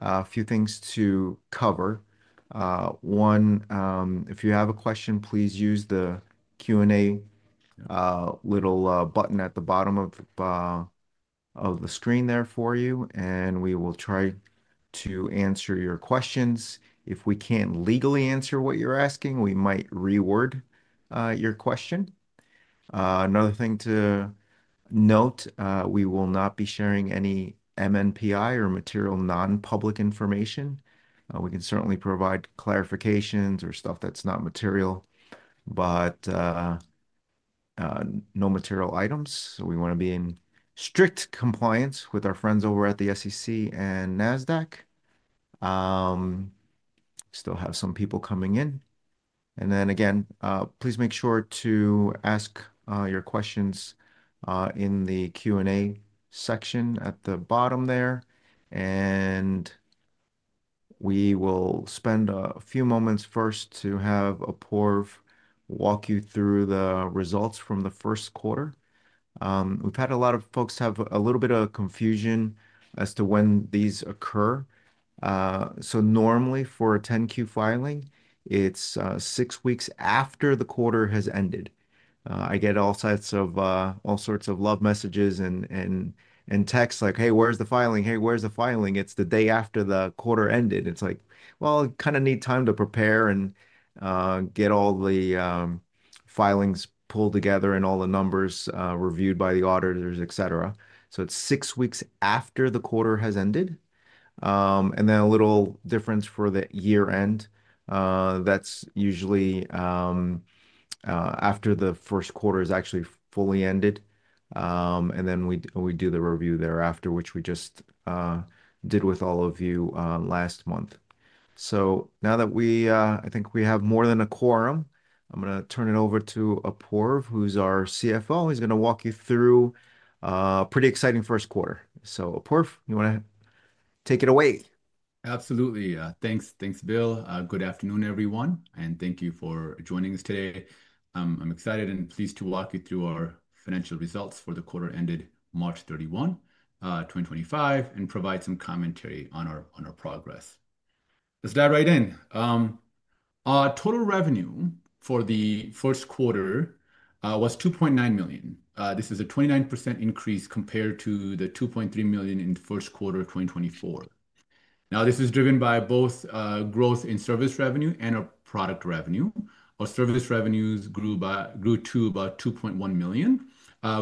A few things to cover. One, if you have a question, please use the Q&A button at the bottom of the screen there for you, and we will try to answer your questions. If we cannot legally answer what you are asking, we might reword your question. Another thing to note, we will not be sharing any MNPI or material non-public information. We can certainly provide clarifications or stuff that is not material, but no material items. We want to be in strict compliance with our friends over at the SEC and NASDAQ. Still have some people coming in. Please make sure to ask your questions in the Q&A section at the bottom there. We will spend a few moments first to have Apoorv walk you through the results from the first quarter. We've had a lot of folks have a little bit of confusion as to when these occur. Normally for a 10Q filing, it's six weeks after the quarter has ended. I get all sorts of love messages and texts like, "Hey, where's the filing? Hey, where's the filing?" It's the day after the quarter ended. It's like, "Well, I kind of need time to prepare and get all the filings pulled together and all the numbers reviewed by the auditors, et cetera." It's six weeks after the quarter has ended. A little difference for the year-end, that's usually after the first quarter is actually fully ended, and then we do the review thereafter, which we just did with all of you last month. Now that we, I think we have more than a quorum, I'm going to turn it over to Apoorv, who's our CFO. He's going to walk you through a pretty exciting first quarter. Apoorv, you want to take it away? Absolutely. Thanks, thanks, Bill. Good afternoon, everyone, and thank you for joining us today. I'm excited and pleased to walk you through our financial results for the quarter ended March 31, 2025, and provide some commentary on our progress. Let's dive right in. Our total revenue for the first quarter was $2.9 million. This is a 29% increase compared to the $2.3 million in the first quarter of 2024. Now, this is driven by both growth in service revenue and our product revenue. Our service revenues grew to about $2.1 million,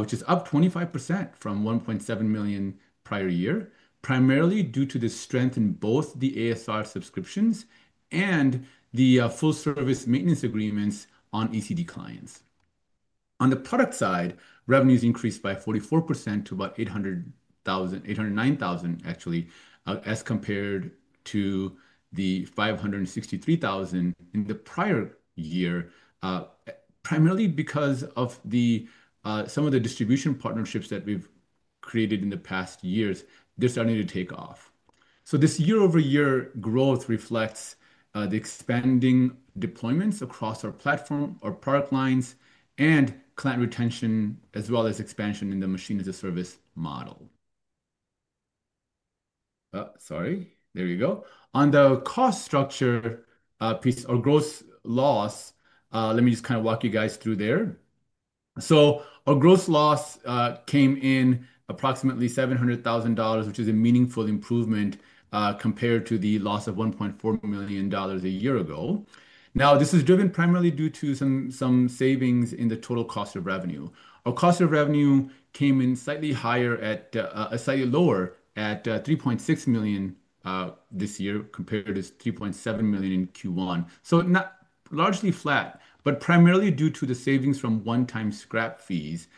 which is up 25% from $1.7 million prior year, primarily due to the strength in both the ASR subscriptions and the full service maintenance agreements on ECD clients. On the product side, revenues increased by 44% to about $800,000, $809,000 actually, as compared to the $563,000 in the prior year, primarily because of the, some of the distribution partnerships that we've created in the past years, they're starting to take off. This year-over-year growth reflects the expanding deployments across our platform, our product lines, and client retention, as well as expansion in the machine-as-a-service model. Sorry, there you go. On the cost structure piece, our gross loss, let me just kind of walk you guys through there. Our gross loss came in approximately $700,000, which is a meaningful improvement compared to the loss of $1.4 million a year ago. This is driven primarily due to some savings in the total cost of revenue. Our cost of revenue came in slightly lower at $3.6 million this year compared to $3.7 million in Q1. Not largely flat, but primarily due to the savings from one-time scrap fees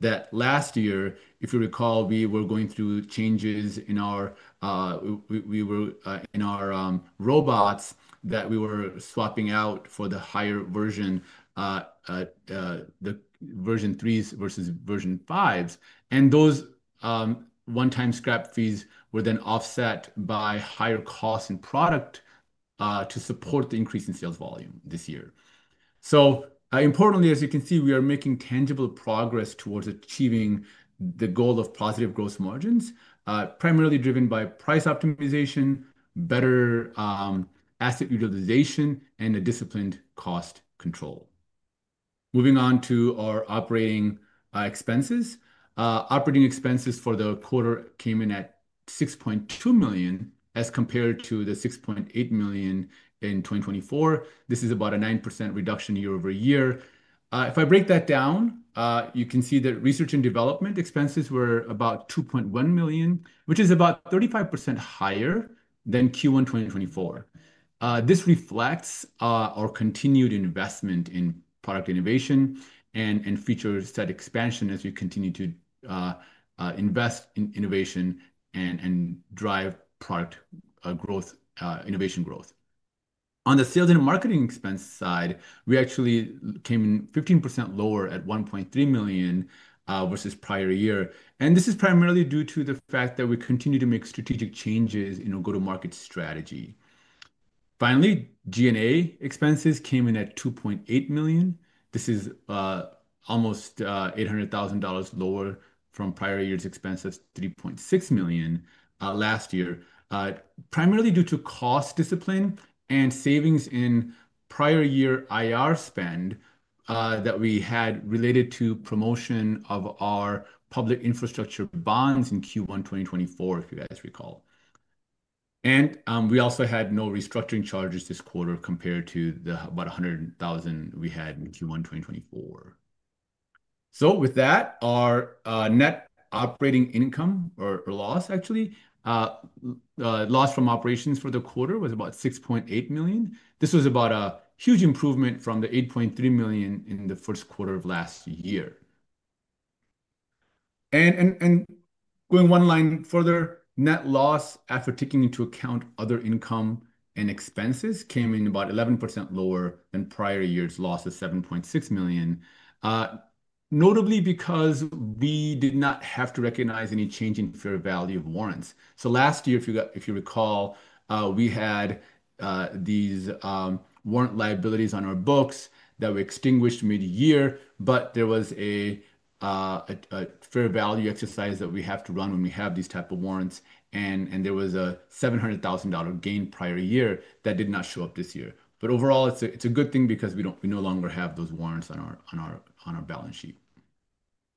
that last year, if you recall, we were going through changes in our robots that we were swapping out for the higher version, the version threes versus version fives. Those one-time scrap fees were then offset by higher costs in product to support the increase in sales volume this year. Importantly, as you can see, we are making tangible progress towards achieving the goal of positive gross margins, primarily driven by price optimization, better asset utilization, and disciplined cost control. Moving on to our operating expenses. Operating expenses for the quarter came in at $6.2 million as compared to the $6.8 million in 2024. This is about a 9% reduction year-over-year. If I break that down, you can see that research and development expenses were about $2.1 million, which is about 35% higher than Q1 2024. This reflects our continued investment in product innovation and feature set expansion as we continue to invest in innovation and drive product growth, innovation growth. On the sales and marketing expense side, we actually came in 15% lower at $1.3 million, versus prior year. This is primarily due to the fact that we continue to make strategic changes in our go-to-market strategy. Finally, G&A expenses came in at $2.8 million. This is, almost, $800,000 lower from prior year's expenses of $3.6 million, last year, primarily due to cost discipline and savings in prior year IR spend, that we had related to promotion of our public infrastructure bonds in Q1 2024, if you guys recall. We also had no restructuring charges this quarter compared to the about $100,000 we had in Q1 2024. With that, our net operating income or, or loss actually, loss from operations for the quarter was about $6.8 million. This was about a huge improvement from the $8.3 million in the first quarter of last year. Going one line further, net loss after taking into account other income and expenses came in about 11% lower than prior year's loss of $7.6 million, notably because we did not have to recognize any change in fair value of warrants. Last year, if you recall, we had these warrant liabilities on our books that were extinguished mid-year, but there was a fair value exercise that we have to run when we have these type of warrants. There was a $700,000 gain prior year that did not show up this year. Overall, it's a good thing because we no longer have those warrants on our balance sheet.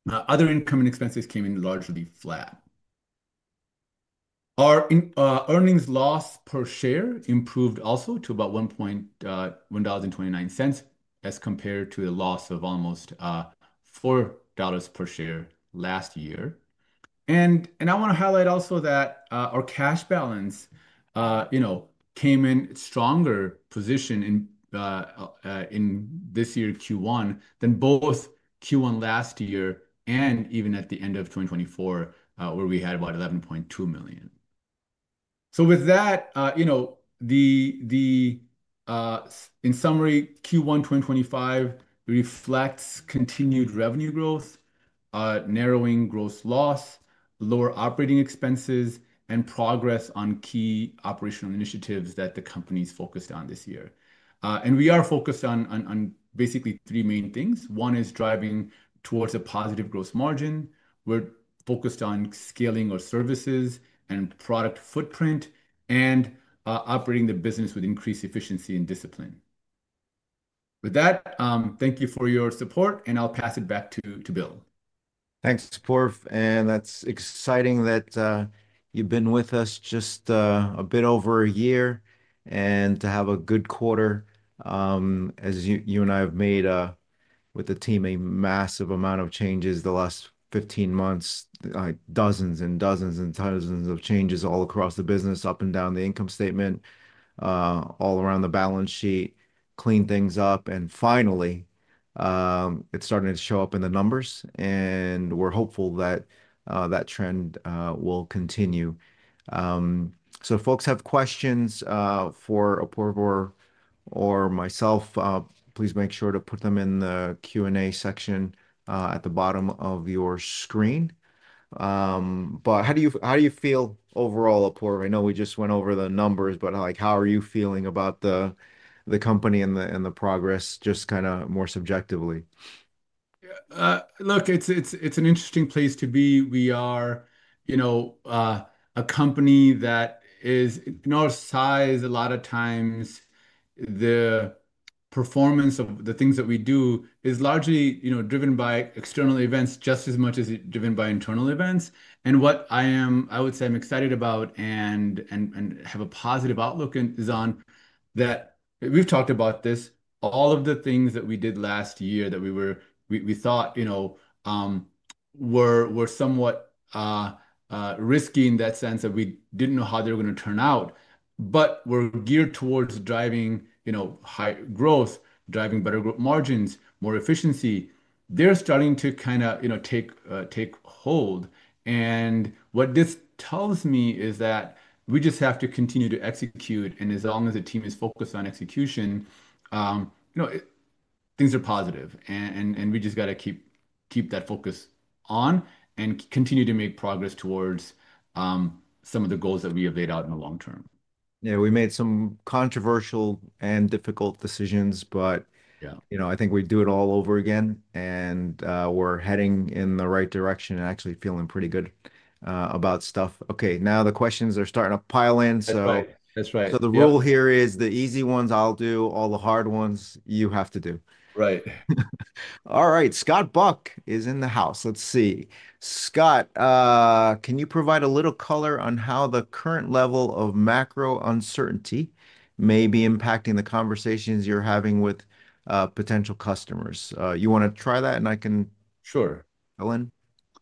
Other income and expenses came in largely flat. Our earnings loss per share improved also to about $0.01129 as compared to the loss of almost $4 per share last year. I want to highlight also that our cash balance came in stronger position in this year, Q1, than both Q1 last year and even at the end of 2024, where we had about $11.2 million. With that, in summary, Q1 2025 reflects continued revenue growth, narrowing gross loss, lower operating expenses, and progress on key operational initiatives that the company's focused on this year. We are focused on basically three main things. One is driving towards a positive gross margin. We're focused on scaling our services and product footprint and operating the business with increased efficiency and discipline. With that, thank you for your support, and I'll pass it back to Bill. Thanks, Apoorv, and that's exciting that you've been with us just a bit over a year and to have a good quarter. As you and I have made, with the team, a massive amount of changes the last 15 months, like dozens and dozens and dozens of changes all across the business, up and down the income statement, all around the balance sheet, clean things up. Finally, it's starting to show up in the numbers, and we're hopeful that that trend will continue. If folks have questions for Apoorv or myself, please make sure to put them in the Q&A section at the bottom of your screen. How do you feel overall, Apoorv? I know we just went over the numbers, but like, how are you feeling about the company and the progress, just kind of more subjectively? Yeah, look, it's an interesting place to be. We are, you know, a company that is, in our size, a lot of times the performance of the things that we do is largely, you know, driven by external events just as much as it's driven by internal events. What I am, I would say I'm excited about and have a positive outlook in is on that. We've talked about this, all of the things that we did last year that we thought, you know, were somewhat risky in that sense that we didn't know how they were going to turn out, but were geared towards driving, you know, high growth, driving better margins, more efficiency. They're starting to kind of, you know, take hold. What this tells me is that we just have to continue to execute. As long as the team is focused on execution, you know, things are positive. We just got to keep that focus on and continue to make progress towards some of the goals that we have laid out in the long term. Yeah, we made some controversial and difficult decisions, but, yeah, you know, I think we would do it all over again and, we're heading in the right direction and actually feeling pretty good about stuff. Okay, now the questions are starting to pile in. That's right. The rule here is the easy ones I'll do, all the hard ones you have to do. Right. All right, Scott Buck is in the house. Let's see. Scott, can you provide a little color on how the current level of macro uncertainty may be impacting the conversations you're having with potential customers? You want to try that and I can. Sure. Go on.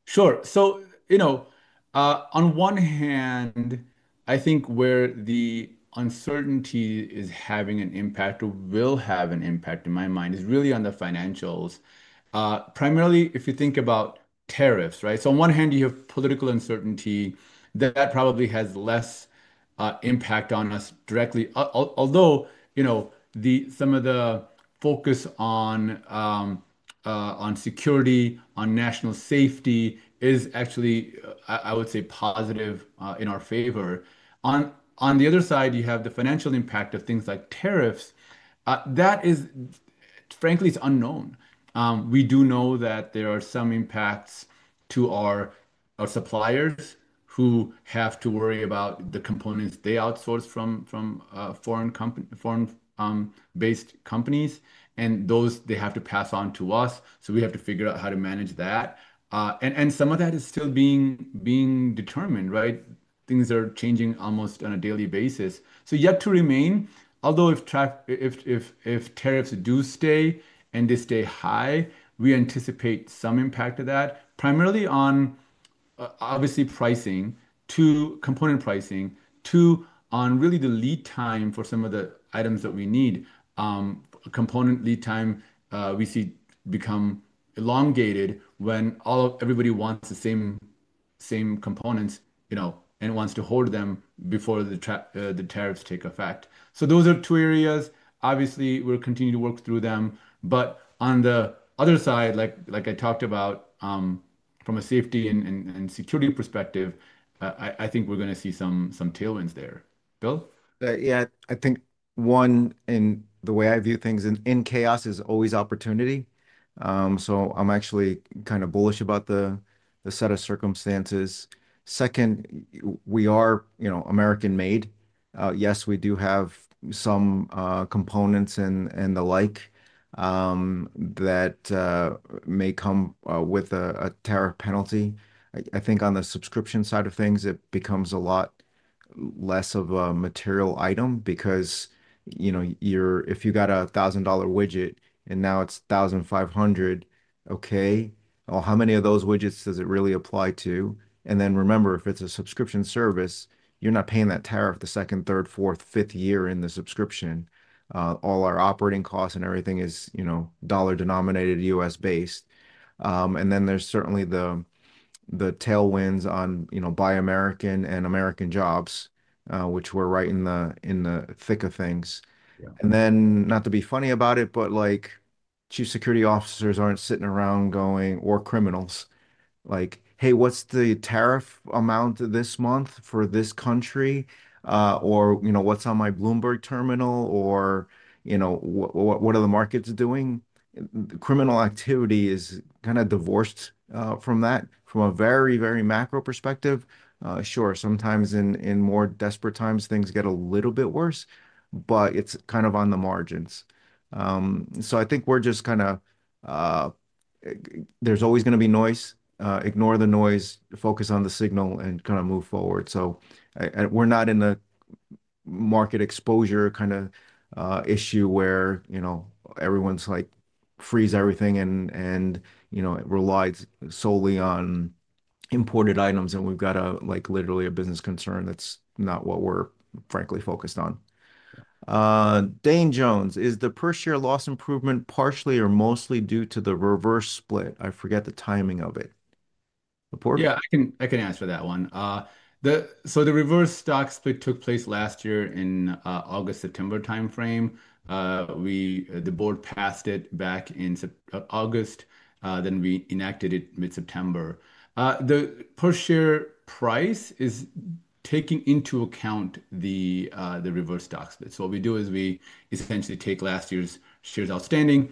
Sure. So, you know, on one hand, I think where the uncertainty is having an impact or will have an impact in my mind is really on the financials, primarily if you think about tariffs, right? On one hand, you have political uncertainty that probably has less impact on us directly, although, you know, some of the focus on security, on national safety is actually, I would say, positive, in our favor. On the other side, you have the financial impact of things like tariffs. That is, frankly, it's unknown. We do know that there are some impacts to our suppliers who have to worry about the components they outsource from foreign-based companies, and those they have to pass on to us. So we have to figure out how to manage that. Some of that is still being determined, right? Things are changing almost on a daily basis. Yet to remain, although if tariffs do stay and they stay high, we anticipate some impact of that, primarily on pricing to component pricing too, on really the lead time for some of the items that we need. Component lead time, we see become elongated when everybody wants the same components, you know, and wants to hold them before the tariffs take effect. Those are two areas. Obviously, we'll continue to work through them, but on the other side, like I talked about, from a safety and security perspective, I think we're going to see some tailwinds there. Bill. Yeah, I think one, in the way I view things, in chaos is always opportunity. So I'm actually kind of bullish about the set of circumstances. Second, we are, you know, American made. Yes, we do have some components and, and the like, that may come with a tariff penalty. I think on the subscription side of things, it becomes a lot less of a material item because, you know, if you got a $1,000 widget and now it's $1,500, okay, well, how many of those widgets does it really apply to? And then remember, if it's a subscription service, you're not paying that tariff the second, third, fourth, fifth year in the subscription. All our operating costs and everything is, you know, dollar denominated, U.S. based. And then there's certainly the tailwinds on, you know, buy American and American jobs, which we're right in the thick of things. Not to be funny about it, but like chief security officers aren't sitting around going, or criminals, like, hey, what's the tariff amount this month for this country? Or, you know, what's on my Bloomberg terminal or, you know, what are the markets doing? Criminal activity is kind of divorced from that, from a very, very macro perspective. Sure, sometimes in more desperate times, things get a little bit worse, but it's kind of on the margins. I think we're just kind of, there's always going to be noise. Ignore the noise, focus on the signal and kind of move forward. I, I, we're not in a market exposure kind of issue where, you know, everyone's like freeze everything and, you know, it relies solely on imported items and we've got a, like literally a business concern. That's not what we're frankly focused on. Dane Jones, is the per-share loss improvement partially or mostly due to the reverse split? I forget the timing of it. Apoorv? Yeah, I can answer that one. The reverse stock split took place last year in August, September timeframe. We, the board passed it back in August. Then we enacted it mid-September. The per-share price is taking into account the reverse stock split. What we do is we essentially take last year's shares outstanding,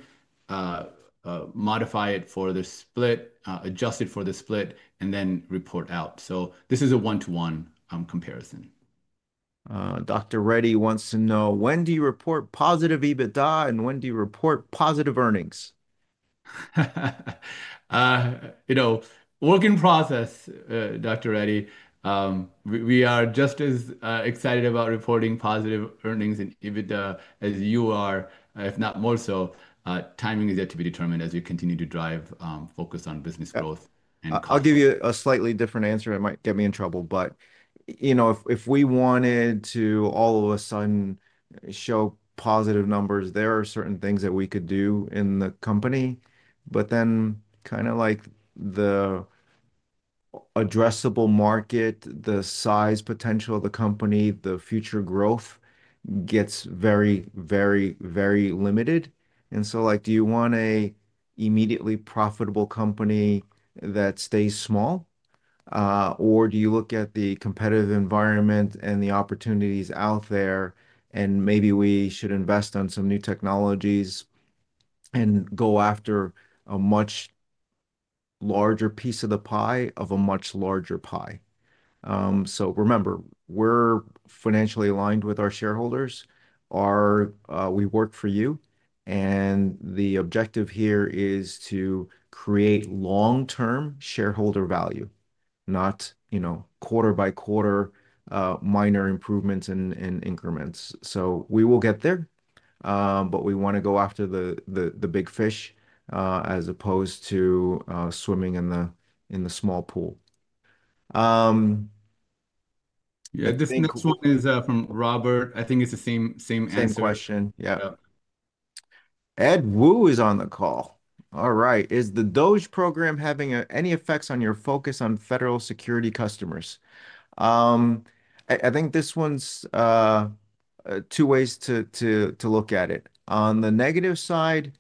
modify it for the split, adjust it for the split, and then report out. This is a one-to-one comparison. Dr. Reddy wants to know, when do you report positive EBITDA and when do you report positive earnings? You know, work in process, Dr. Reddy. We are just as excited about reporting positive earnings in EBITDA as you are, if not more so. Timing is yet to be determined as we continue to drive, focus on business growth and. I'll give you a slightly different answer. It might get me in trouble, but you know, if we wanted to all of a sudden show positive numbers, there are certain things that we could do in the company, but then kind of like the addressable market, the size potential of the company, the future growth gets very, very, very limited. Do you want an immediately profitable company that stays small, or do you look at the competitive environment and the opportunities out there and maybe we should invest on some new technologies and go after a much larger piece of the pie of a much larger pie? Remember, we're financially aligned with our shareholders, we work for you and the objective here is to create long-term shareholder value, not, you know, quarter by quarter, minor improvements and increments. We will get there, but we want to go after the big fish, as opposed to swimming in the small pool. Yeah, this next one is from Robert. I think it's the same, same answer. Same question. Yeah. Ed Woo is on the call. All right. Is the DOGE program having any effects on your focus on federal security customers? I think this one's two ways to look at it. On the negative side,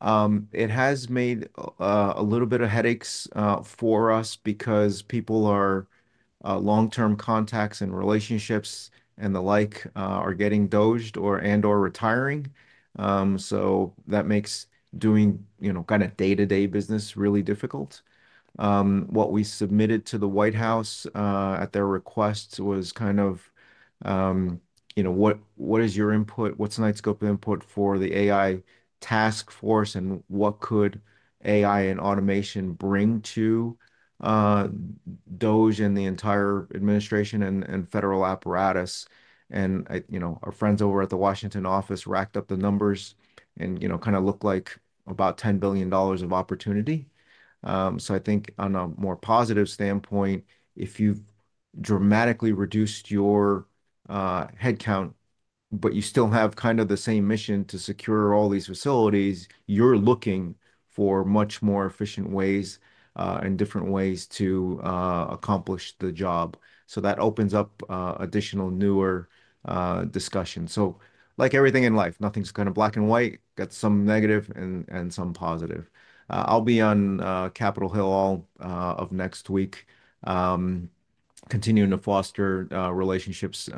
it has made a little bit of headaches for us because people are long-term contacts and relationships and the like, are getting DOD or retiring. That makes doing, you know, kind of day-to-day business really difficult. What we submitted to the White House at their request was kind of, you know, what is your input? What's the Knightscope input for the AI task force and what could AI and automation bring to DOGE and the entire administration and federal apparatus? I, you know, our friends over at the Washington office racked up the numbers and, you know, kind of looked like about $10 billion of opportunity. I think on a more positive standpoint, if you've dramatically reduced your headcount, but you still have kind of the same mission to secure all these facilities, you're looking for much more efficient ways, and different ways to accomplish the job. That opens up additional newer discussion. Like everything in life, nothing's kind of black and white, got some negative and some positive. I'll be on Capitol Hill all of next week, continuing to foster relationships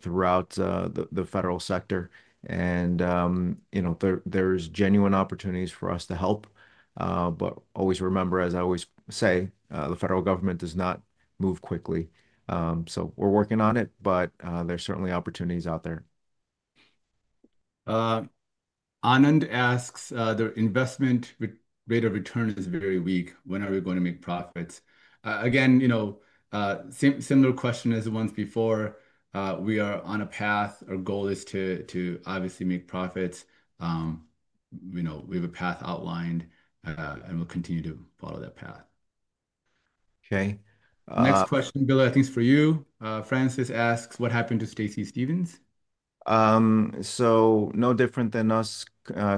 throughout the federal sector. You know, there are genuine opportunities for us to help, but always remember, as I always say, the federal government does not move quickly. We're working on it, but there's certainly opportunities out there. Anand asks, the investment rate of return is very weak. When are we going to make profits? Again, you know, similar question as the ones before. We are on a path. Our goal is to, to obviously make profits. You know, we have a path outlined, and we'll continue to follow that path. Okay. Next question, Bill, I think it's for you. Francis asks, what happened to Stacy Stevens? No different than us,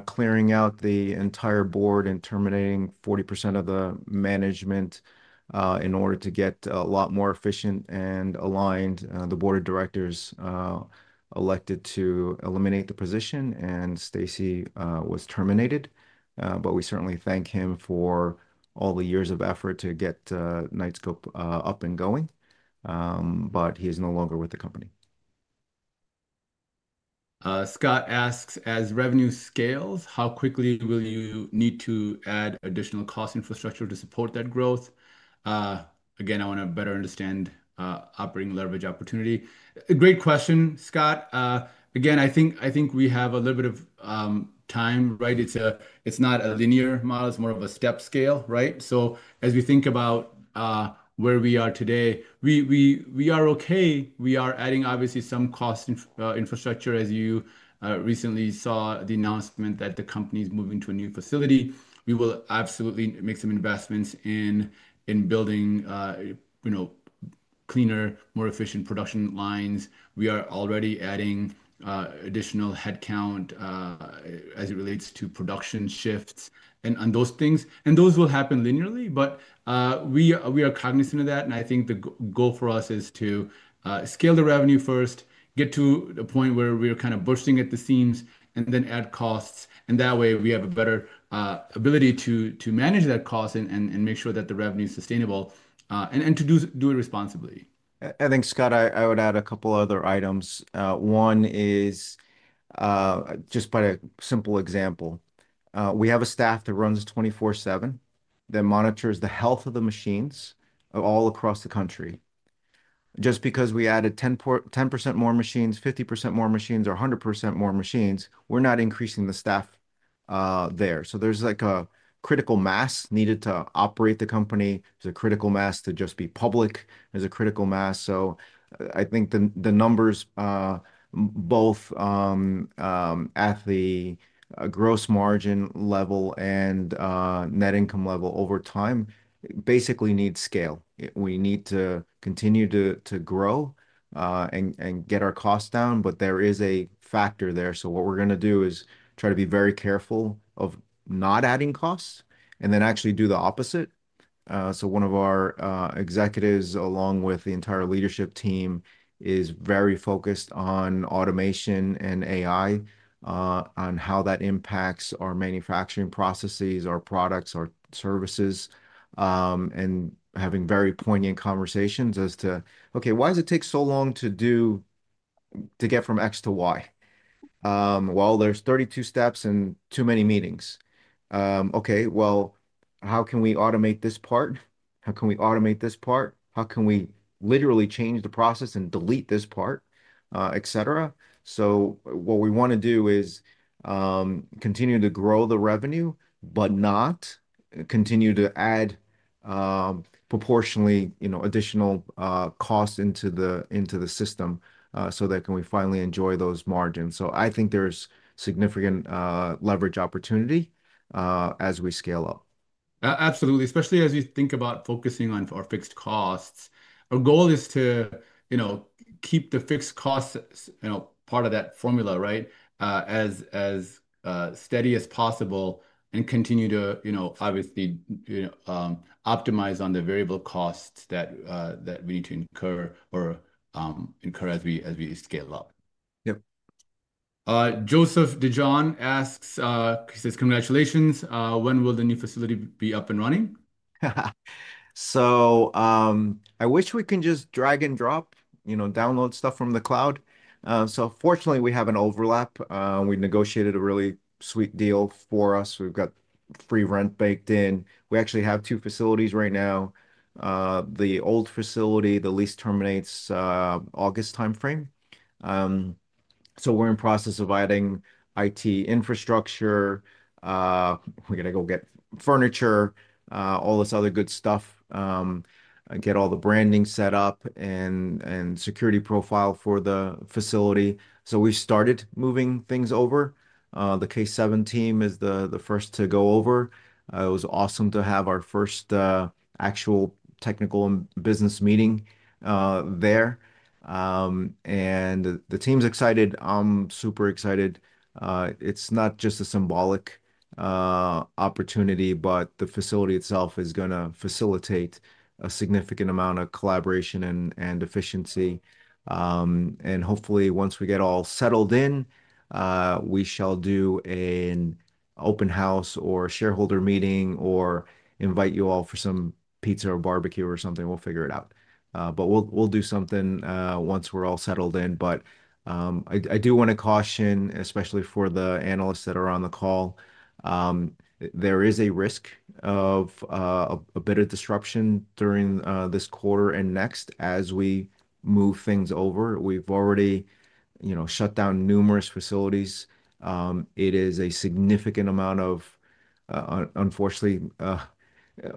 clearing out the entire board and terminating 40% of the management, in order to get a lot more efficient and aligned. The board of directors elected to eliminate the position and Stacy was terminated. We certainly thank him for all the years of effort to get Knightscope up and going. He is no longer with the company. Scott asks, as revenue scales, how quickly will you need to add additional cost infrastructure to support that growth? Again, I want to better understand operating leverage opportunity. Great question, Scott. Again, I think we have a little bit of time, right? It's not a linear model. It's more of a step scale, right? As we think about where we are today, we are okay. We are adding obviously some cost infrastructure as you recently saw the announcement that the company is moving to a new facility. We will absolutely make some investments in building, you know, cleaner, more efficient production lines. We are already adding additional headcount as it relates to production shifts and on those things, and those will happen linearly, but we are cognizant of that. I think the goal for us is to scale the revenue first, get to a point where we're kind of bursting at the seams and then add costs. That way we have a better ability to manage that cost and make sure that the revenue is sustainable, and to do it responsibly. I think, Scott, I would add a couple other items. One is, just by a simple example, we have a staff that runs 24/7 that monitors the health of the machines all across the country. Just because we added 10% more machines, 50% more machines, or 100% more machines, we're not increasing the staff there. There is like a critical mass needed to operate the company. There is a critical mass to just be public. There is a critical mass. I think the numbers, both at the gross margin level and net income level over time, basically need scale. We need to continue to grow and get our costs down, but there is a factor there. What we are going to do is try to be very careful of not adding costs and then actually do the opposite. One of our executives, along with the entire leadership team, is very focused on automation and AI, on how that impacts our manufacturing processes, our products, our services, and having very poignant conversations as to, okay, why does it take so long to do, to get from X to Y? There are 32 steps and too many meetings. Okay, how can we automate this part? How can we automate this part? How can we literally change the process and delete this part, et cetera? What we want to do is continue to grow the revenue, but not continue to add, proportionally, you know, additional costs into the system, so that we can finally enjoy those margins. I think there is significant leverage opportunity as we scale up. Absolutely. Especially as we think about focusing on our fixed costs. Our goal is to, you know, keep the fixed costs, you know, part of that formula, right? As steady as possible and continue to, you know, obviously, you know, optimize on the variable costs that we need to incur as we scale up. Yep. Joseph Dejohn asks, he says, congratulations. When will the new facility be up and running? I wish we can just drag and drop, you know, download stuff from the cloud. Fortunately we have an overlap. We negotiated a really sweet deal for us. We've got free rent baked in. We actually have two facilities right now. The old facility, the lease terminates, August timeframe. We're in process of adding IT infrastructure. We're going to go get furniture, all this other good stuff, get all the branding set up and security profile for the facility. We started moving things over. The K7 team is the first to go over. It was awesome to have our first actual technical and business meeting there. The team's excited. I'm super excited. It's not just a symbolic opportunity, but the facility itself is going to facilitate a significant amount of collaboration and efficiency. Hopefully once we get all settled in, we shall do an open house or shareholder meeting or invite you all for some pizza or barbecue or something. We'll figure it out. We'll do something once we're all settled in. I do want to caution, especially for the analysts that are on the call, there is a risk of a bit of disruption during this quarter and next as we move things over. We've already shut down numerous facilities. It is a significant amount of, unfortunately,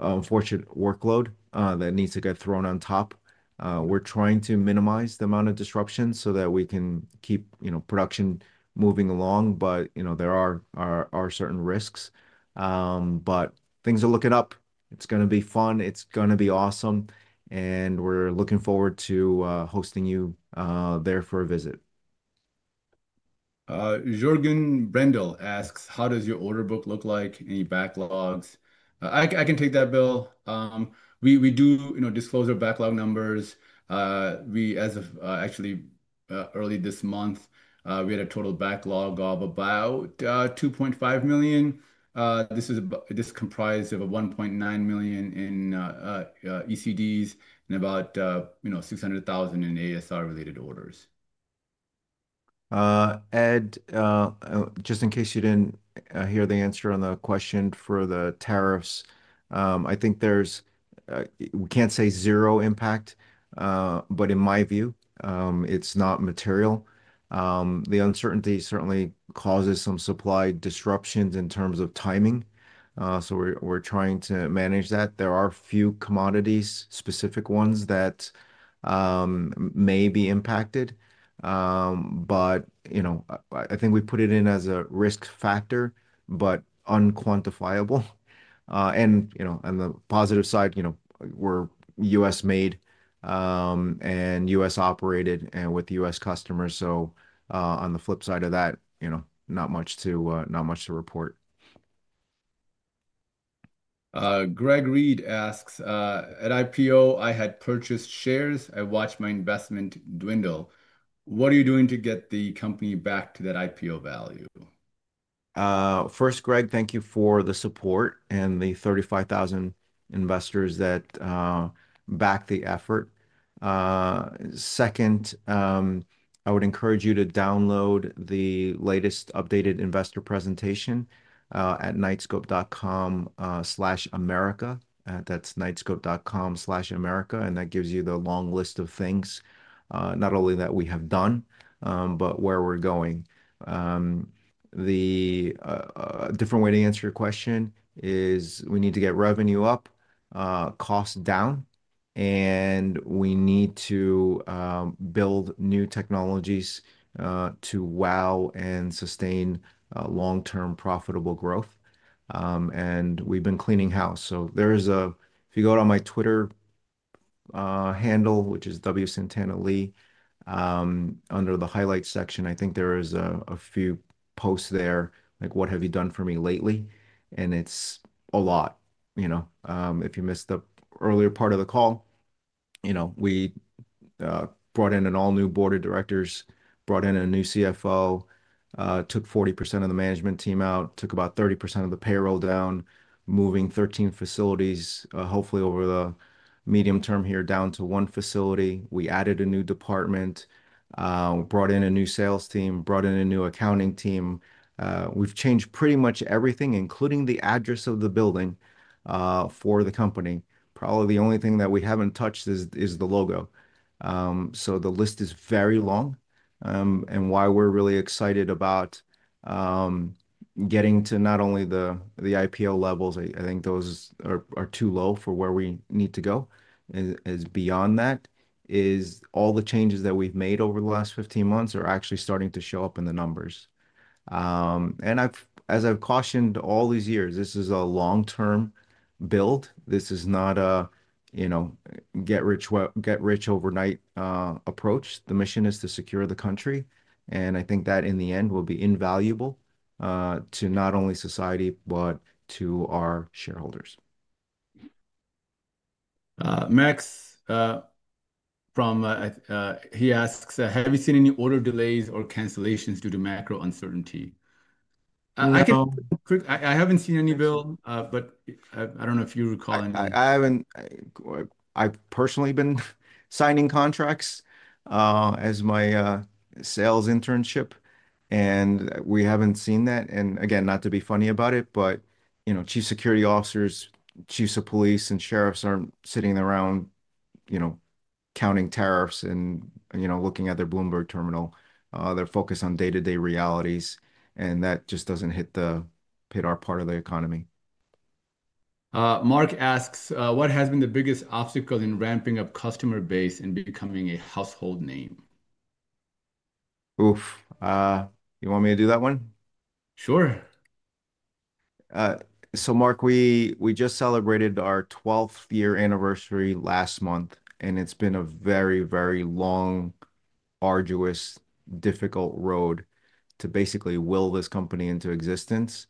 unfortunate workload that needs to get thrown on top. We're trying to minimize the amount of disruption so that we can keep, you know, production moving along, but, you know, there are certain risks. Things are looking up. It's going to be fun. It's going to be awesome. We're looking forward to hosting you there for a visit. Jordan Bendel asks, how does your order book look like? Any backlogs? I can take that, Bill. We do, you know, disclose our backlog numbers. We, as of actually early this month, we had a total backlog of about $2.5 million. This is comprised of $1.9 million in ECDs and about $600,000 in ASR-related orders. Ed, just in case you did not hear the answer on the question for the tariffs, I think there is, we cannot say zero impact, but in my view, it is not material. The uncertainty certainly causes some supply disruptions in terms of timing. We are trying to manage that. There are a few commodities, specific ones that may be impacted. But, you know, I think we put it in as a risk factor, but unquantifiable. On the positive side, you know, we are U.S.made, and U.S. operated and with U.S. customers. On the flip side of that, not mch to report. Greg Reed asks, at IPO, I had purchased shares. I watched my investment dwindle. What are you doing to get the company back to that IPO value? First, Greg, thank you for the support and the 35,000 investors that back the effort. Second, I would encourage you to download the latest updated investor presentation at knightscope.com/america. That's knightscope.com/america. That gives you the long list of things, not only that we have done, but where we're going. The different way to answer your question is we need to get revenue up, cost down, and we need to build new technologies to wow and sustain long-term profitable growth. We've been cleaning house. If you go to my Twitter handle, which is WSantanaLi, under the highlight section, I think there are a few posts there, like what have you done for me lately. It is a lot, you know, if you missed the earlier part of the call, you know, we brought in an all new board of directors, brought in a new CFO, took 40% of the management team out, took about 30% of the payroll down, moving 13 facilities, hopefully over the medium term here down to one facility. We added a new department, brought in a new sales team, brought in a new accounting team. We have changed pretty much everything, including the address of the building, for the company. Probably the only thing that we have not touched is the logo. The list is very long. We are really excited about getting to not only the IPO levels, I think those are too low for where we need to go. Beyond that, all the changes that we've made over the last 15 months are actually starting to show up in the numbers. As I've cautioned all these years, this is a long-term build. This is not a get rich overnight approach. The mission is to secure the country. I think that in the end will be invaluable, to not only society, but to our shareholders. Max, from, he asks, have you seen any order delays or cancellations due to macro uncertainty? I can quick, I haven't seen any, Bill, but I don't know if you recall any. I haven't, I personally been signing contracts, as my sales internship, and we haven't seen that. Again, not to be funny about it, but, you know, chief security officers, chiefs of police and sheriffs aren't sitting around, you know, counting tariffs and, you know, looking at their Bloomberg terminal. They're focused on day-to-day realities, and that just doesn't hit the, hit our part of the economy. Mark asks, what has been the biggest obstacle in ramping up customer base and becoming a household name? Oof. You want me to do that one? Sure. Mark, we just celebrated our 12th year anniversary last month, and it's been a very, very long, arduous, difficult road to basically will this company into existence.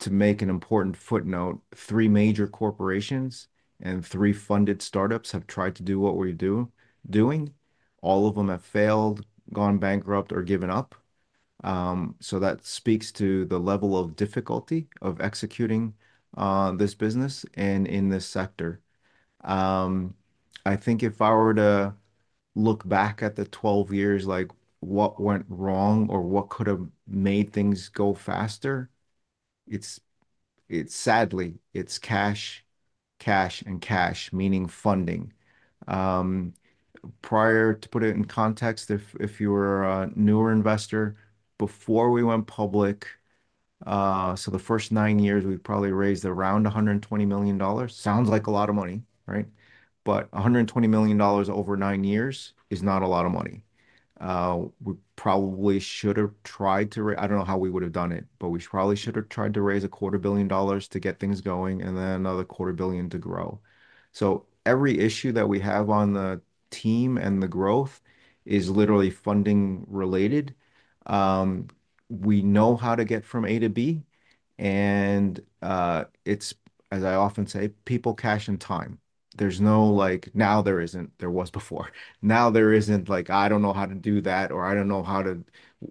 To make an important footnote, three major corporations and three funded startups have tried to do what we're doing. All of them have failed, gone bankrupt, or given up. That speaks to the level of difficulty of executing this business and in this sector. I think if I were to look back at the 12 years, like what went wrong or what could have made things go faster, it's, it's sadly, it's cash, cash and cash, meaning funding. To put it in context, if you were a newer investor, before we went public, so the first nine years, we've probably raised around $120 million. Sounds like a lot of money, right? $120 million over nine years is not a lot of money. We probably should have tried to raise, I don't know how we would have done it, but we probably should have tried to raise a quarter billion dollars to get things going and then another quarter billion to grow. Every issue that we have on the team and the growth is literally funding-related. We know how to get from A to B, and, it's, as I often say, people, cash and time. There's no like, now there isn't, there was before. Now there isn't like, I don't know how to do that or I don't know how to,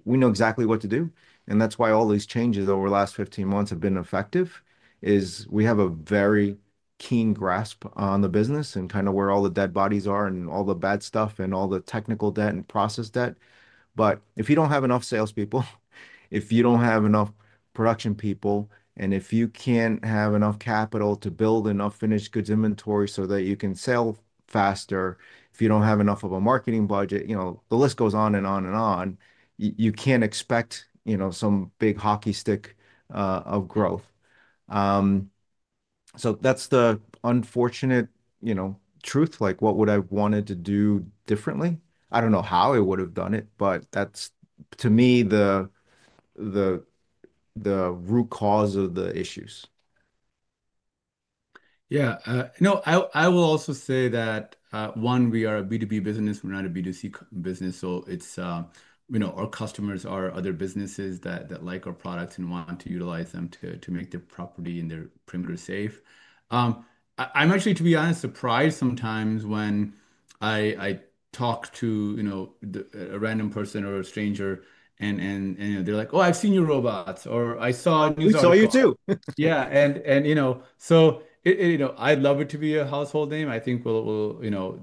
we know exactly what to do. That is why all these changes over the last 15 months have been effective is we have a very keen grasp on the business and kind of where all the dead bodies are and all the bad stuff and all the technical debt and process debt. If you do not have enough salespeople, if you do not have enough production people, and if you cannot have enough capital to build enough finished goods inventory so that you can sell faster, if you do not have enough of a marketing budget, you know, the list goes on and on and on, you cannot expect, you know, some big hockey stick of growth. That is the unfortunate, you know, truth. Like what would I have wanted to do differently? I do not know how I would have done it, but that is to me the root cause of the issues. Yeah. No, I will also say that, one, we are a B2B business. We're not a B2C business. It's, you know, our customers are other businesses that like our products and want to utilize them to make their property and their perimeters safe. I'm actually, to be honest, surprised sometimes when I talk to, you know, a random person or a stranger and they're like, oh, I've seen your robots or I saw a new. We saw you too. Yeah. You know, I'd love it to be a household name. I think that'll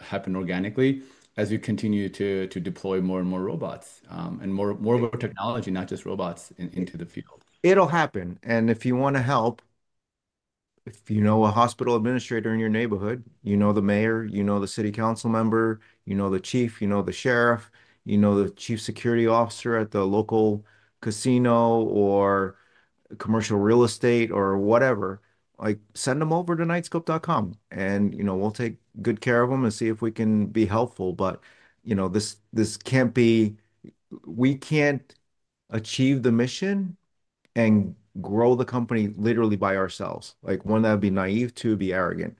happen organically as we continue to deploy more and more robots, and more of our technology, not just robots, into the field. It'll happen. If you want to help, if you know a hospital administrator in your neighborhood, you know, the mayor, you know, the city council member, you know, the chief, you know, the sheriff, you know, the chief security officer at the local casino or commercial real estate or whatever, like send them over to knightscope.com and, you know, we'll take good care of them and see if we can be helpful. You know, this, this can't be, we can't achieve the mission and grow the company literally by ourselves. Like one, that'd be naive, two, be arrogant.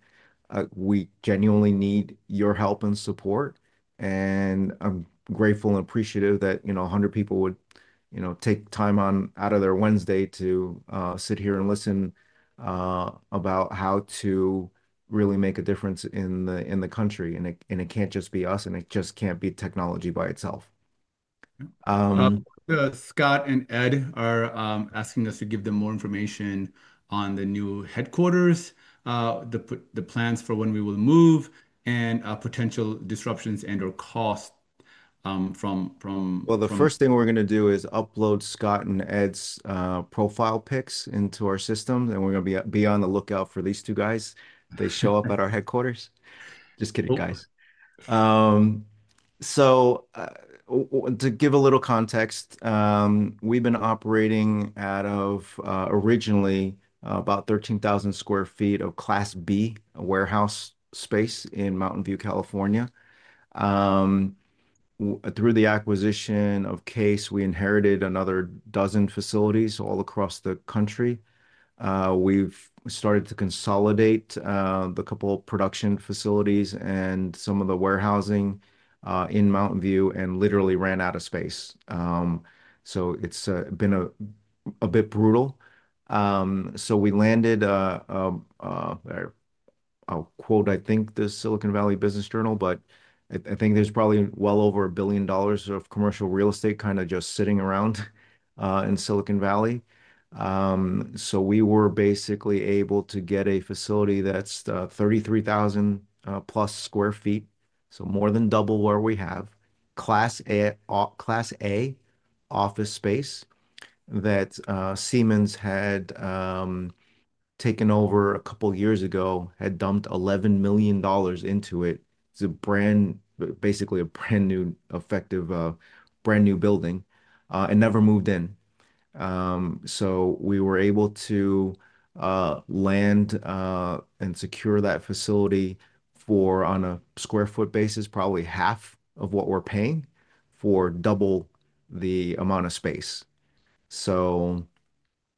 We genuinely need your help and support. I'm grateful and appreciative that, you know, a hundred people would, you know, take time out of their Wednesday to sit here and listen about how to really make a difference in the country. It can't just be us and it just can't be technology by itself. Scott and Ed are asking us to give them more information on the new headquarters, the plans for when we will move, and potential disruptions and/or cost from. The first thing we're going to do is upload Scott and Ed's profile pics into our system and we're going to be on the lookout for these two guys. They show up at our headquarters. Just kidding, guys. To give a little context, we've been operating out of originally about 13,000 sq ft of Class B warehouse space in Mountain View, California. Through the acquisition of Case, we inherited another dozen facilities all across the country. We've started to consolidate the couple production facilities and some of the warehousing in Mountain View and literally ran out of space. It's been a bit brutal. We landed a quote, I think the Silicon Valley Business Journal, but I think there's probably well over a billion dollars of commercial real estate kind of just sitting around in Silicon Valley. We were basically able to get a facility that's 33,000-plus sq ft, more than double where we have Class A, Class A office space that Siemens had taken over a couple of years ago, had dumped $11 million into it. It's basically a brand new, effective, brand new building, and never moved in. We were able to land and secure that facility for, on a sq ft basis, probably half of what we're paying for double the amount of space.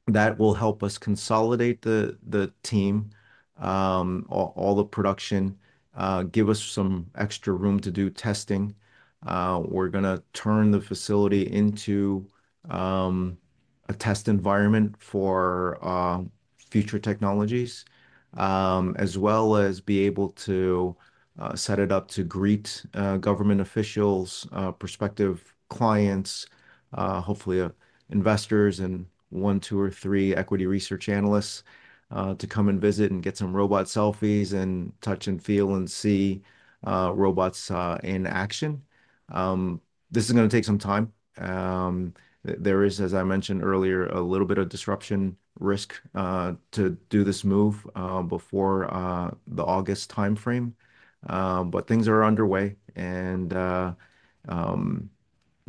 That will help us consolidate the team, all the production, give us some extra room to do testing. We're going to turn the facility into a test environment for future technologies, as well as be able to set it up to greet government officials, prospective clients, hopefully investors, and one, two or three equity research analysts to come and visit and get some robot selfies and touch and feel and see robots in action. This is going to take some time. There is, as I mentioned earlier, a little bit of disruption risk to do this move before the August timeframe. Things are underway and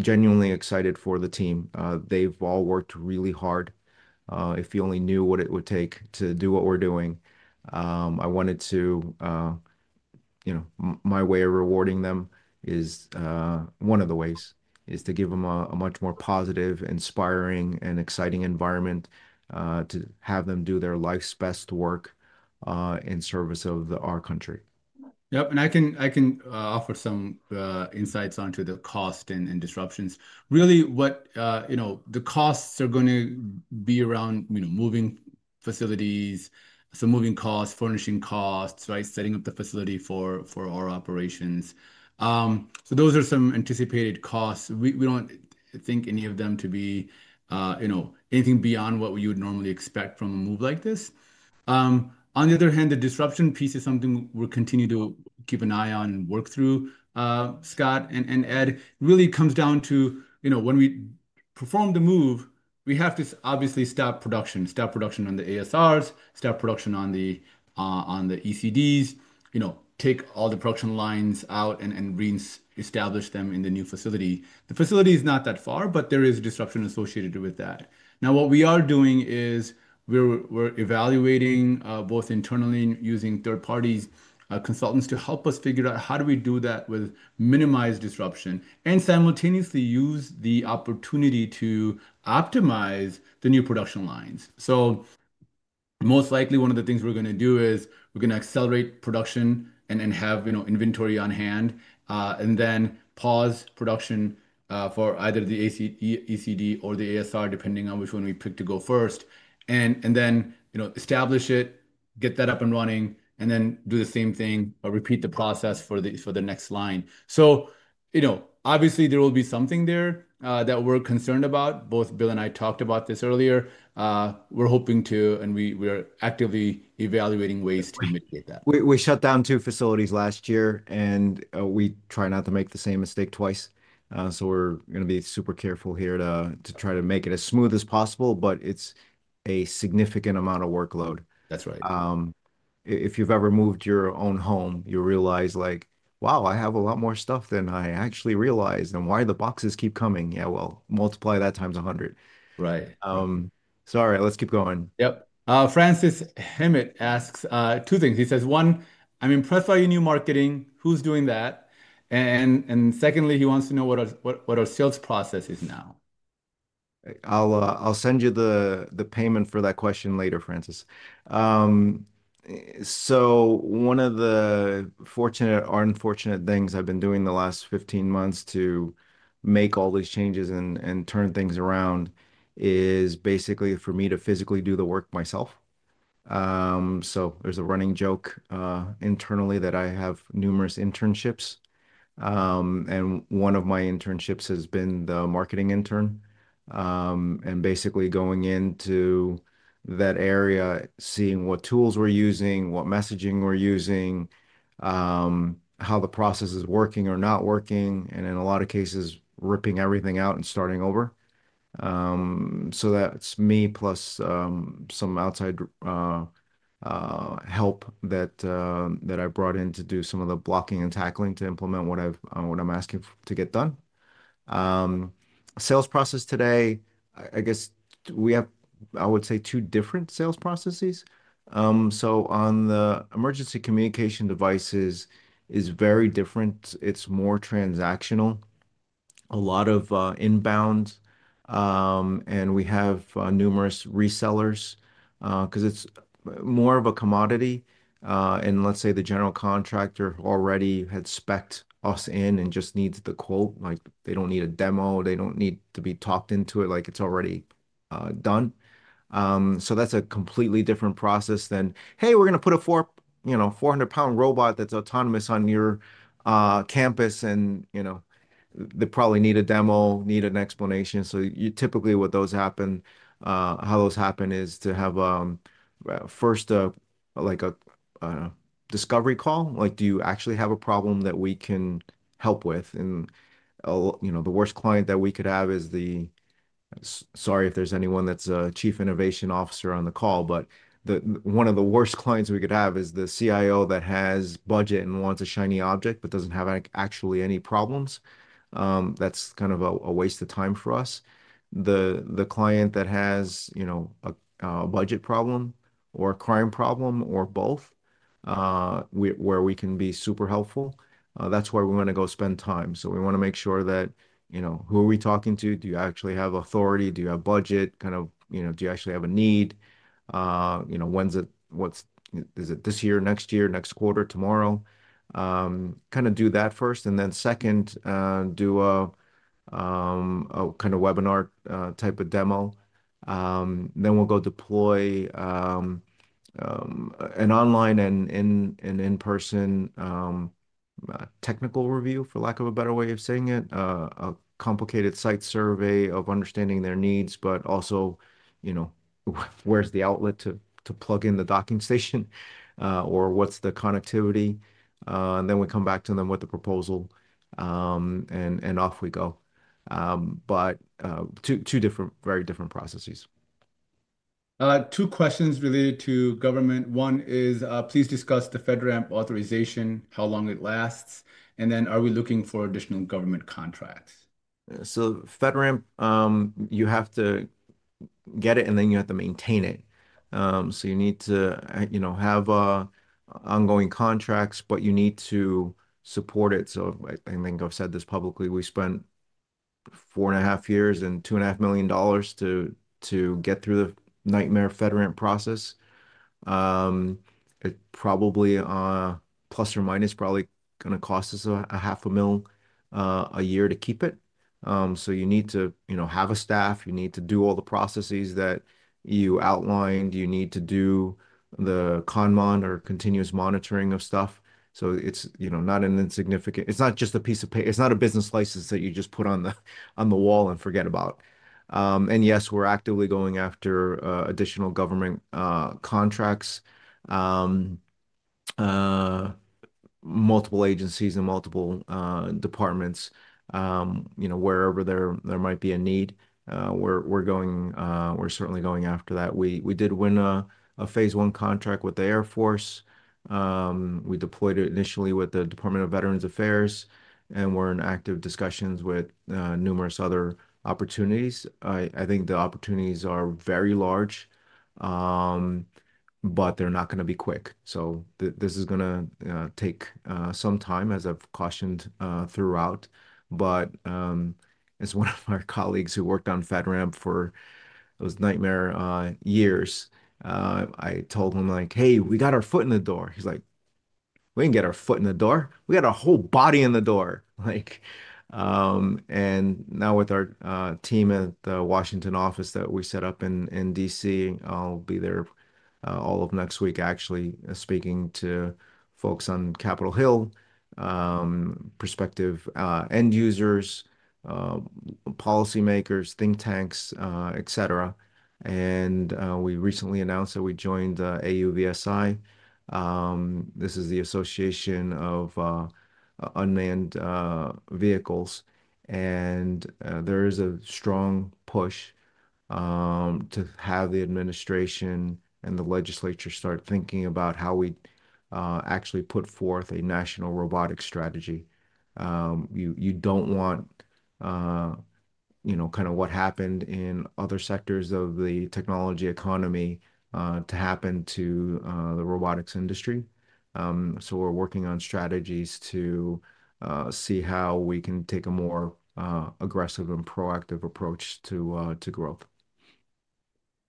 genuinely excited for the team. They've all worked really hard. If you only knew what it would take to do what we're doing. I wanted to, you know, my way of rewarding them is, one of the ways is to give them a much more positive, inspiring, and exciting environment, to have them do their life's best work, in service of our country. Yep. I can offer some insights onto the cost and disruptions. Really what the costs are going to be around, you know, moving facilities, so moving costs, furnishing costs, right? Setting up the facility for our operations. Those are some anticipated costs. We do not think any of them to be anything beyond what you would normally expect from a move like this. On the other hand, the disruption piece is something we are continuing to keep an eye on and work through. Scott and Ed, it really comes down to when we perform the move, we have to obviously stop production, stop production on the ASRs, stop production on the ECDs, take all the production lines out and re-establish them in the new facility. The facility is not that far, but there is disruption associated with that. Now, what we are doing is we're evaluating, both internally using third parties, consultants to help us figure out how do we do that with minimized disruption and simultaneously use the opportunity to optimize the new production lines. Most likely one of the things we're going to do is we're going to accelerate production and have, you know, inventory on hand, and then pause production, for either the ECD or the ASR, depending on which one we pick to go first. You know, establish it, get that up and running, and then do the same thing or repeat the process for the next line. Obviously there will be something there that we're concerned about. Both Bill and I talked about this earlier. We're hoping to, and we are actively evaluating ways to mitigate that. We shut down two facilities last year and we try not to make the same mistake twice. We are going to be super careful here to try to make it as smooth as possible, but it is a significant amount of workload. That's right. If you've ever moved your own home, you realize like, wow, I have a lot more stuff than I actually realized and why the boxes keep coming. Yeah. Multiply that times 100. Right. Sorry, let's keep going. Yep. Francis Hammett asks, two things. He says, one, I'm impressed by your new marketing. Who's doing that? And secondly, he wants to know what our sales process is now. I'll send you the payment for that question later, Francis. One of the fortunate or unfortunate things I've been doing the last 15 months to make all these changes and turn things around is basically for me to physically do the work myself. There's a running joke internally that I have numerous internships. One of my internships has been the marketing intern, and basically going into that area, seeing what tools we're using, what messaging we're using, how the process is working or not working, and in a lot of cases, ripping everything out and starting over. That's me plus some outside help that I brought in to do some of the blocking and tackling to implement what I'm asking to get done. Sales process today, I guess we have, I would say, two different sales processes. On the emergency communication devices, it's very different. It's more transactional, a lot of inbound, and we have numerous resellers, 'cause it's more of a commodity. Let's say the general contractor already had specced us in and just needs the quote. They don't need a demo. They don't need to be talked into it. It's already done. That's a completely different process than, hey, we're going to put a 400 lb robot that's autonomous on your campus and, you know, they probably need a demo, need an explanation. Typically, how those happen is to have, first, like a discovery call. Like, do you actually have a problem that we can help with? You know, the worst client that we could have is the, sorry if there's anyone that's a Chief Innovation Officer on the call, but one of the worst clients we could have is the CIO that has budget and wants a shiny object, but does not actually have any problems. That is kind of a waste of time for us. The client that has a budget problem or a crime problem or both, where we can be super helpful, that is where we want to go spend time. We want to make sure that, you know, who are we talking to? Do you actually have authority? Do you have budget? Kind of, you know, do you actually have a need? You know, when is it, what is, is it this year, next year, next quarter, tomorrow? Kind of do that first. Then second, do a kind of webinar, type of demo. Then we'll go deploy, an online and in person, technical review for lack of a better way of saying it, a complicated site survey of understanding their needs, but also, you know, where's the outlet to plug in the docking station, or what's the connectivity? And then we come back to them with the proposal, and off we go. But two very different processes. Two questions related to government. One is, please discuss the FedRAMP authorization, how long it lasts, and then are we looking for additional government contracts? FedRAMP, you have to get it and then you have to maintain it. You need to, you know, have ongoing contracts, but you need to support it. I think I've said this publicly, we spent four and a half years and $2,500,000 to get through the nightmare FedRAMP process. It probably, plus or minus, probably going to cost us $500,000 a year to keep it. You need to, you know, have a staff, you need to do all the processes that you outlined, you need to do the conmon or continuous monitoring of stuff. It's, you know, not insignificant, it's not just a piece of paper, it's not a business license that you just put on the wall and forget about. Yes, we're actively going after additional government contracts, multiple agencies and multiple departments, you know, wherever there might be a need. We're certainly going after that. We did win a phase one contract with the Air Force. We deployed it initially with the Department of Veterans Affairs and we're in active discussions with numerous other opportunities. I think the opportunities are very large, but they're not going to be quick. This is going to take some time as I've cautioned throughout. As one of our colleagues who worked on FedRAMP for those nightmare years, I told him like, hey, we got our foot in the door. He's like, we didn't get our foot in the door. We got our whole body in the door. Like, and now with our team at the Washington office that we set up in D.C., I'll be there all of next week actually speaking to folks on Capitol Hill, prospective end users, policymakers, think tanks, et cetera. We recently announced that we joined AUVSI. This is the Association for Unmanned Vehicle Systems International. There is a strong push to have the administration and the legislature start thinking about how we actually put forth a national robotic strategy. You do not want, you know, kind of what happened in other sectors of the technology economy to happen to the robotics industry. We are working on strategies to see how we can take a more aggressive and proactive approach to growth.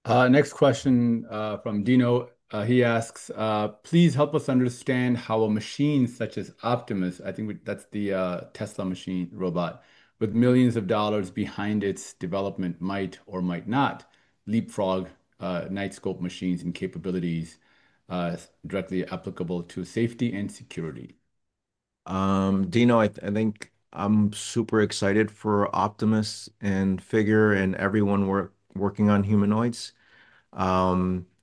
Next question, from Dino. He asks, please help us understand how a machine such as Optimus, I think we, that's the Tesla machine robot with millions of dollars behind its development, might or might not leapfrog Knightscope machines and capabilities, directly applicable to safety and security. Dino, I think I'm super excited for Optimus and Figure and everyone working on humanoids.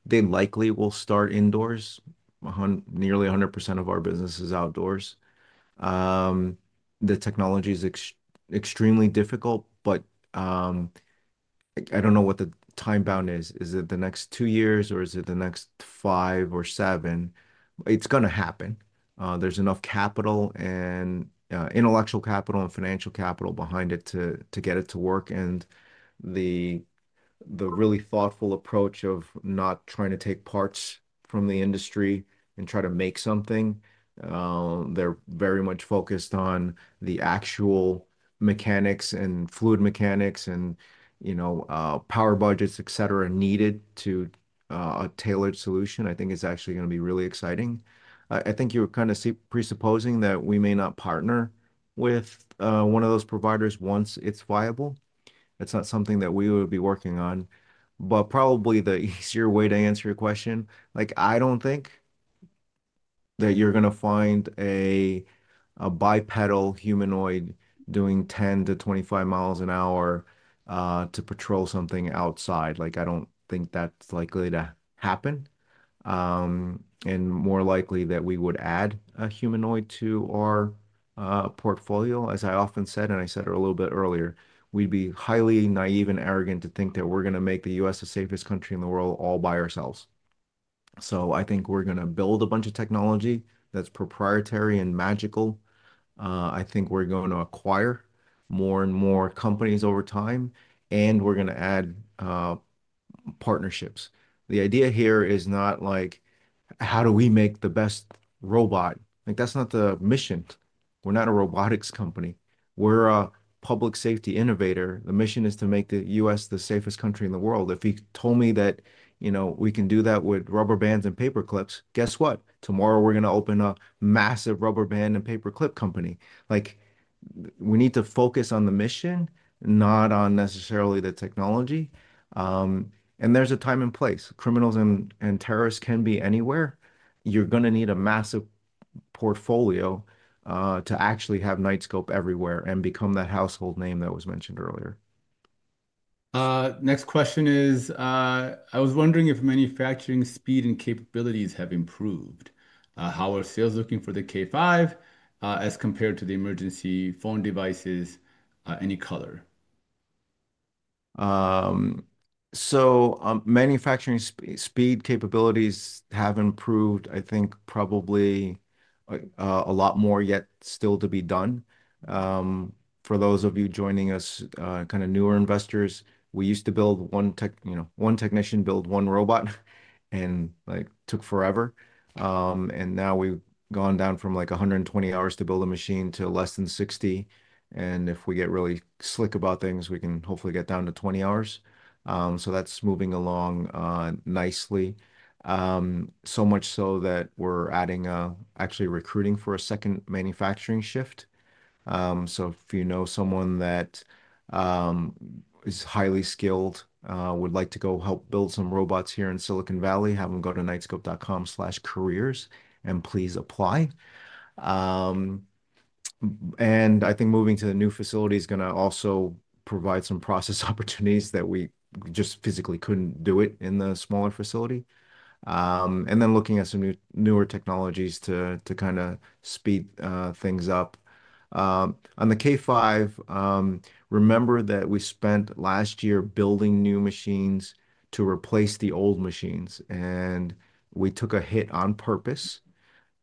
They likely will start indoors. Nearly 100% of our business is outdoors. The technology is extremely difficult, but I don't know what the time bound is. Is it the next two years or is it the next five or seven? It's going to happen. There's enough capital and intellectual capital and financial capital behind it to get it to work. The really thoughtful approach of not trying to take parts from the industry and try to make something, they're very much focused on the actual mechanics and fluid mechanics and, you know, power budgets, et cetera, needed to a tailored solution, I think is actually going to be really exciting. I think you were kind of presupposing that we may not partner with one of those providers once it's viable. It's not something that we would be working on, but probably the easier way to answer your question, like I don't think that you're going to find a bipedal humanoid doing 10-25 miles an hour to patrol something outside. I don't think that's likely to happen. More likely that we would add a humanoid to our portfolio. As I often said, and I said it a little bit earlier, we'd be highly naive and arrogant to think that we're going to make the U.S. the safest country in the world all by ourselves. I think we're going to build a bunch of technology that's proprietary and magical. I think we're going to acquire more and more companies over time and we're going to add, partnerships. The idea here is not like, how do we make the best robot? Like that's not the mission. We're not a robotics company. We're a public safety innovator. The mission is to make the U.S. the safest country in the world. If you told me that, you know, we can do that with rubber bands and paper clips, guess what? Tomorrow we're going to open a massive rubber band and paper clip company. Like we need to focus on the mission, not on necessarily the technology. And there's a time and place. Criminals and, and terrorists can be anywhere. You're going to need a massive portfolio, to actually have Knightscope everywhere and become that household name that was mentioned earlier. Next question is, I was wondering if manufacturing speed and capabilities have improved. How are sales looking for the K5, as compared to the emergency phone devices, any color? So, manufacturing speed capabilities have improved, I think probably, a lot more yet still to be done. For those of you joining us, kind of newer investors, we used to build one tech, you know, one technician build one robot and like took forever. And now we've gone down from like 120 hours to build a machine to less than 60. If we get really slick about things, we can hopefully get down to 20 hours. That's moving along, nicely. So much so that we're adding, actually recruiting for a second manufacturing shift. If you know someone that is highly skilled, would like to go help build some robots here in Silicon Valley, have them go to knightscope.com/careers and please apply. I think moving to the new facility is going to also provide some process opportunities that we just physically could not do in the smaller facility. Then looking at some newer technologies to kind of speed things up. On the K5, remember that we spent last year building new machines to replace the old machines and we took a hit on purpose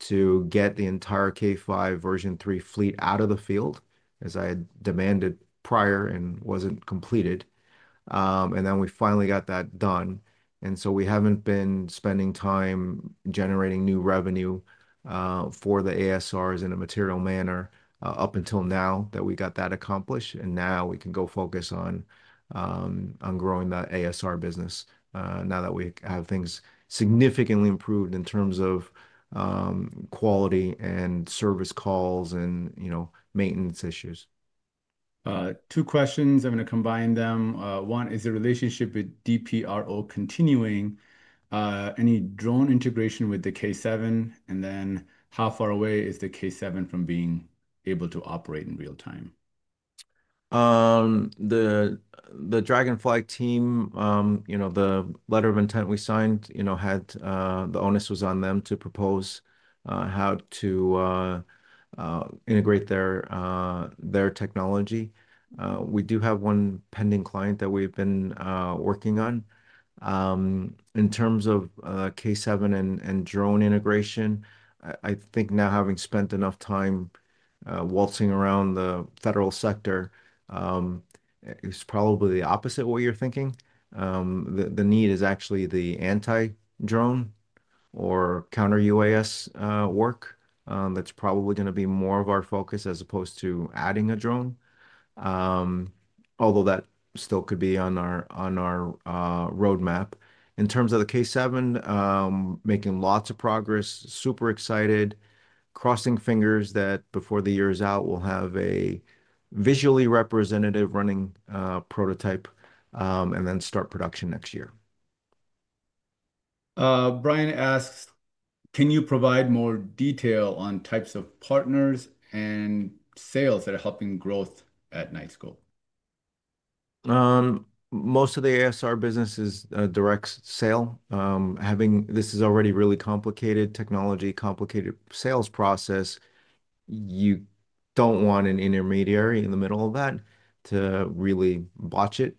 to get the entire K5 version three fleet out of the field as I had demanded prior and was not completed. We finally got that done. We have not been spending time generating new revenue for the ASRs in a material manner up until now that we got that accomplished. Now we can go focus on growing the ASR business, now that we have things significantly improved in terms of quality and service calls and, you know, maintenance issues. Two questions. I'm going to combine them. One, is the relationship with DPRO continuing? Any drone integration with the K7? How far away is the K7 from being able to operate in real time? The Dragonfly team, you know, the letter of intent we signed, you know, had the onus was on them to propose how to integrate their technology. We do have one pending client that we've been working on. In terms of K7 and drone integration, I think now having spent enough time waltzing around the federal sector, it's probably the opposite of what you're thinking. The need is actually the anti-drone or counter UAS work. That's probably going to be more of our focus as opposed to adding a drone, although that still could be on our roadmap. In terms of the K7, making lots of progress, super excited, crossing fingers that before the year's out, we'll have a visually representative running prototype, and then start production next year. Brian asks, can you provide more detail on types of partners and sales that are helping growth at Knightscope? Most of the ASR business is a direct sale. Having, this is already really complicated technology, complicated sales process. You do not want an intermediary in the middle of that to really botch it.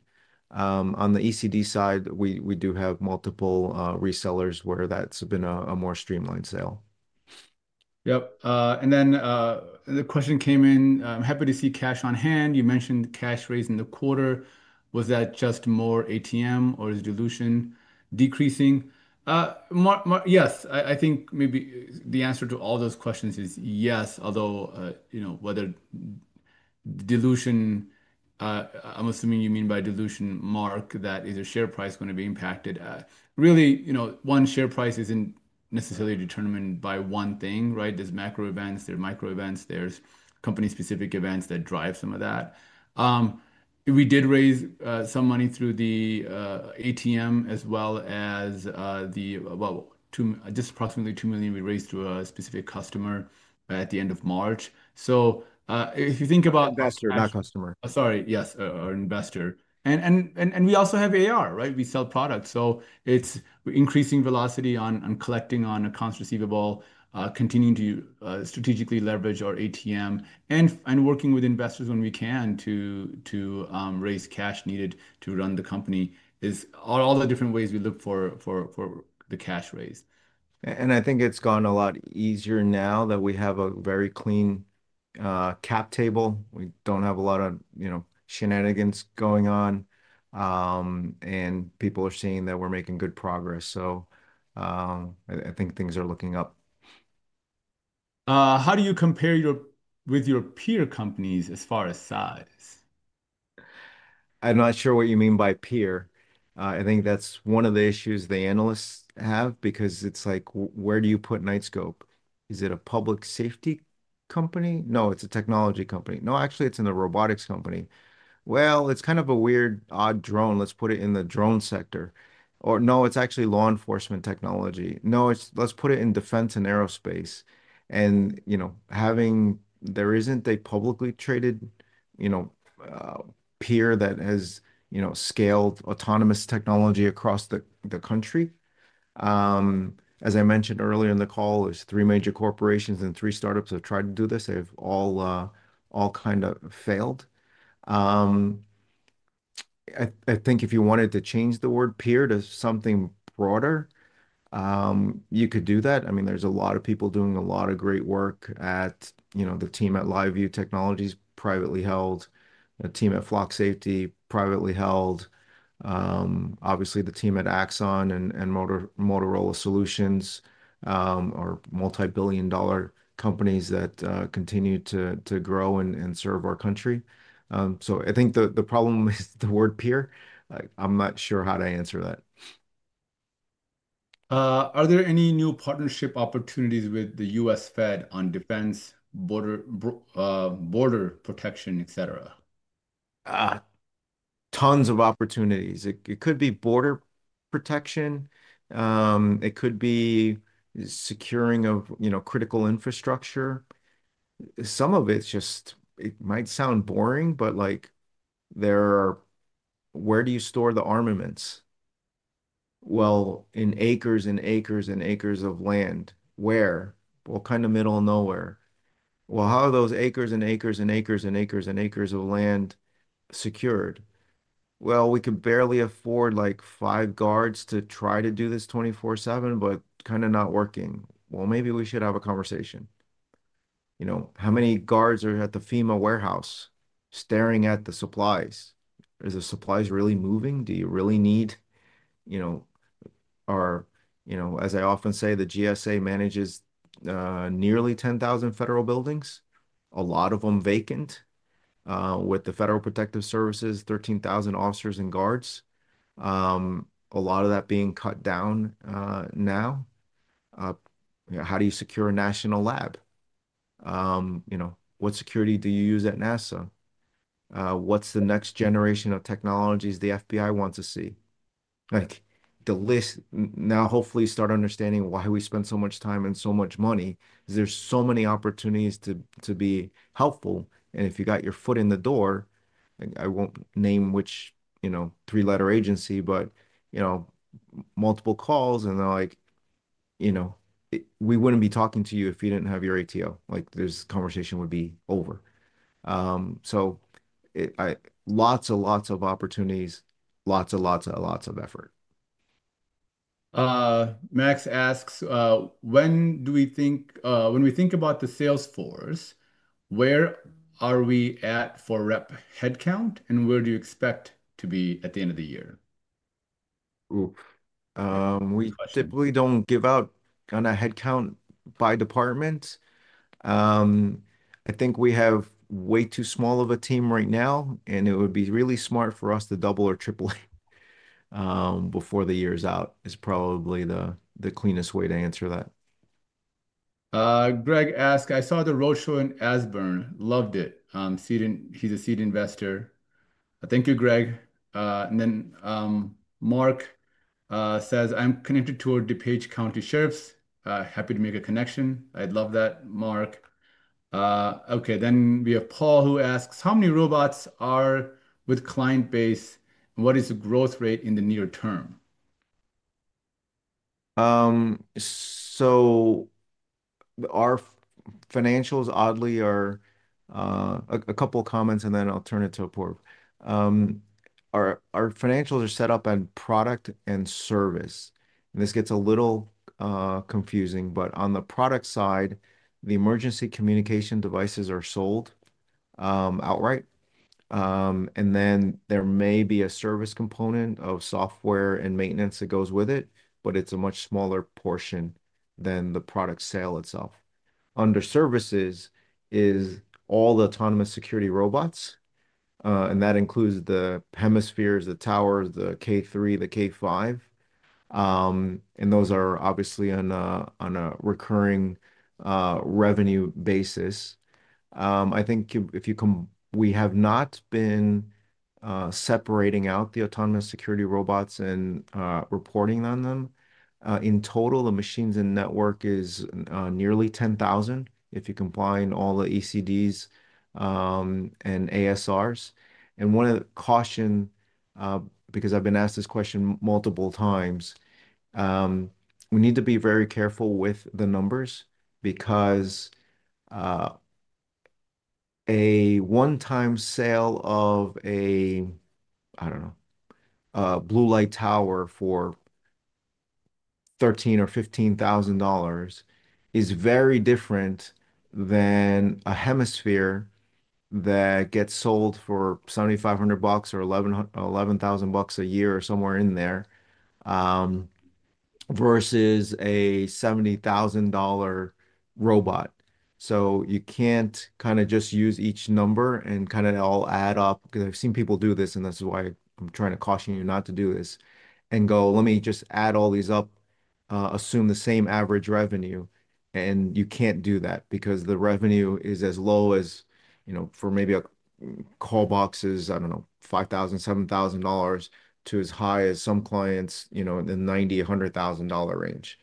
On the ECD side, we do have multiple resellers where that has been a more streamlined sale. Yep. And then, the question came in, I'm happy to see cash on hand. You mentioned cash raised in the quarter. Was that just more ATM or is dilution decreasing? Mark, Mark, yes. I think maybe the answer to all those questions is yes, although, you know, whether dilution, I'm assuming you mean by dilution, Mark, that is a share price going to be impacted. Really, you know, one share price isn't necessarily determined by one thing, right? There's macro events, there's micro events, there's company specific events that drive some of that. We did raise some money through the ATM as well as, well, just approximately $2 million we raised to a specific customer at the end of March. If you think about. Investor, not customer. Sorry. Yes. Or investor. And we also have AR, right? We sell products. It is increasing velocity on collecting on accounts receivable, continuing to strategically leverage our ATM and working with investors when we can to raise cash needed to run the company is all the different ways we look for the cash raise. I think it's gone a lot easier now that we have a very clean cap table. We don't have a lot of, you know, shenanigans going on, and people are seeing that we're making good progress. I think things are looking up. How do you compare your, with your peer companies as far as size? I'm not sure what you mean by peer. I think that's one of the issues the analysts have because it's like, where do you put Knightscope? Is it a public safety company? No, it's a technology company. No, actually it's in the robotics company. It's kind of a weird, odd drone. Let's put it in the drone sector. No, it's actually law enforcement technology. Let's put it in defense and aerospace. You know, there isn't a publicly traded peer that has scaled autonomous technology across the country. As I mentioned earlier in the call, there are three major corporations and three startups that have tried to do this. They've all kind of failed. I think if you wanted to change the word peer to something broader, you could do that. I mean, there's a lot of people doing a lot of great work at, you know, the team at LiveView Technologies, privately held, a team at Flock Safety, privately held. Obviously the team at Axon and Motorola Solutions are multi-billion dollar companies that continue to grow and serve our country. I think the problem is the word peer. Like I'm not sure how to answer that. Are there any new partnership opportunities with the U.S. Fed on defense, border, border protection, et cetera? Tons of opportunities. It could be border protection. It could be securing of, you know, critical infrastructure. Some of it's just, it might sound boring, but like there are, where do you store the armaments? In acres and acres and acres of land. Where? Kind of middle of nowhere. How are those acres and acres and acres and acres and acres of land secured? We could barely afford like five guards to try to do this 24/7, but kind of not working. Maybe we should have a conversation. You know, how many guards are at the FEMA warehouse staring at the supplies? Are the supplies really moving? Do you really need, you know, as I often say, the GSA manages nearly 10,000 federal buildings, a lot of them vacant, with the federal protective services, 13,000 officers and guards. A lot of that being cut down now. How do you secure a national lab? You know, what security do you use at NASA? What's the next generation of technologies the FBI wants to see? Like the list now, hopefully you start understanding why we spend so much time and so much money because there's so many opportunities to be helpful. And if you got your foot in the door, I won't name which, you know, three-letter agency, but you know, multiple calls and they're like, you know, we wouldn't be talking to you if you didn't have your ATO. Like this conversation would be over. It, I, lots of opportunities, lots of effort. Max asks, when do we think, when we think about the sales force, where are we at for rep headcount and where do you expect to be at the end of the year? Ooh, we typically don't give out on a headcount by department. I think we have way too small of a team right now and it would be really smart for us to double or triple before the year's out is probably the, the cleanest way to answer that. Greg asked, I saw the road show in Ashburn, loved it. Seeding, he's a seed investor. Thank you, Greg. Mark says, I'm connected toward DuPage County Sheriffs. Happy to make a connection. I'd love that, Mark. Okay. Then we have Paul who asks, how many robots are with client base? What is the growth rate in the near term? Our financials oddly are, a couple of comments and then I'll turn it to Apoorv. Our financials are set up on product and service. This gets a little confusing, but on the product side, the emergency communication devices are sold outright, and then there may be a service component of software and maintenance that goes with it, but it's a much smaller portion than the product sale itself. Under services is all the Autonomous Security Robots, and that includes the Hemispheres, the Towers, the K3, the K5, and those are obviously on a recurring revenue basis. I think if you come, we have not been separating out the Autonomous Security Robots and reporting on them. In total, the machines and network is nearly 10,000 if you combine all the ECDs and ASRs. One of the caution, because I've been asked this question multiple times, we need to be very careful with the numbers because a one-time sale of a, I don't know, Blue Light Tower for $13,000 or $15,000 is very different than a Hemisphere that gets sold for $7,500 or $11,000 a year or somewhere in there, versus a $70,000 robot. You can't kind of just use each number and kind of all add up because I've seen people do this and that's why I'm trying to caution you not to do this and go, let me just add all these up, assume the same average revenue. You can't do that because the revenue is as low as, you know, for maybe a call box is, I don't know, $5,000, $7,000 to as high as some clients, you know, in the $90,000-$100,000 range.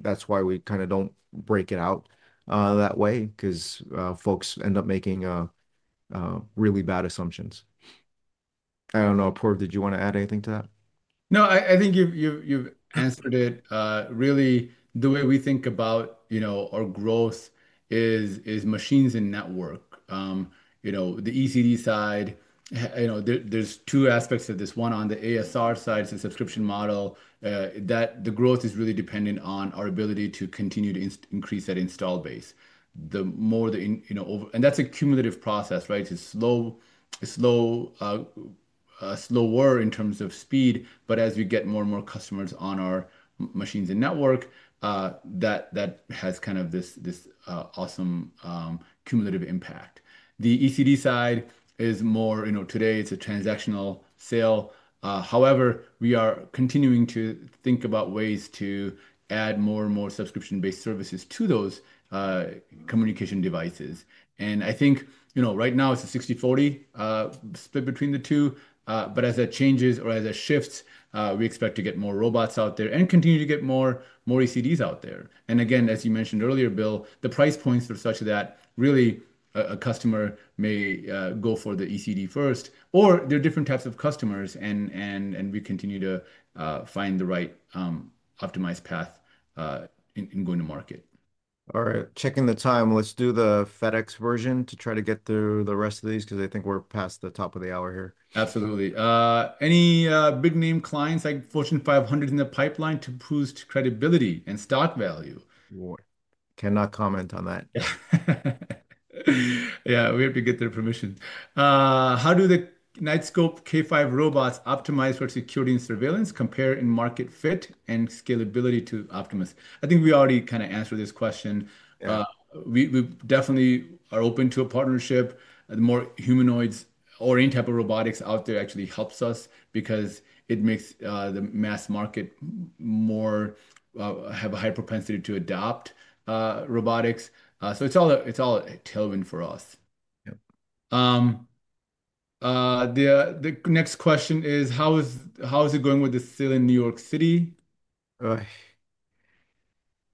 That's why we kind of don't break it out that way, because folks end up making really bad assumptions. I don't know, Apoorv, did you want to add anything to that? No, I think you've answered it. Really the way we think about, you know, our growth is machines and network. You know, the ECD side, you know, there are two aspects of this. One on the ASR side is the subscription model, that the growth is really dependent on our ability to continue to increase that install base. The more the, you know, over, and that's a cumulative process, right? It's slow, slower in terms of speed, but as we get more and more customers on our machines and network, that has kind of this awesome, cumulative impact. The ECD side is more, you know, today it's a transactional sale. However, we are continuing to think about ways to add more and more subscription-based services to those communication devices. I think, you know, right now it's a 60-40 split between the two. As it changes or as it shifts, we expect to get more robots out there and continue to get more ECDs out there. Again, as you mentioned earlier, Bill, the price points are such that really a customer may go for the ECD first or there are different types of customers, and we continue to find the right, optimized path in going to market. All right. Checking the time. Let's do the FedEx version to try to get through the rest of these because I think we're past the top of the hour here. Absolutely. Any big name clients like Fortune 500 in the pipeline to boost credibility and stock value? Cannot comment on that. Yeah, we have to get their permission. How do the Knightscope K5 robots optimize for security and surveillance, compare in market fit and scalability to Optimus? I think we already kind of answered this question. We definitely are open to a partnership. The more humanoids or any type of robotics out there actually helps us because it makes the mass market more, have a higher propensity to adopt robotics. It's all a tailwind for us. Yep. The next question is how is it going with the sale in New York City?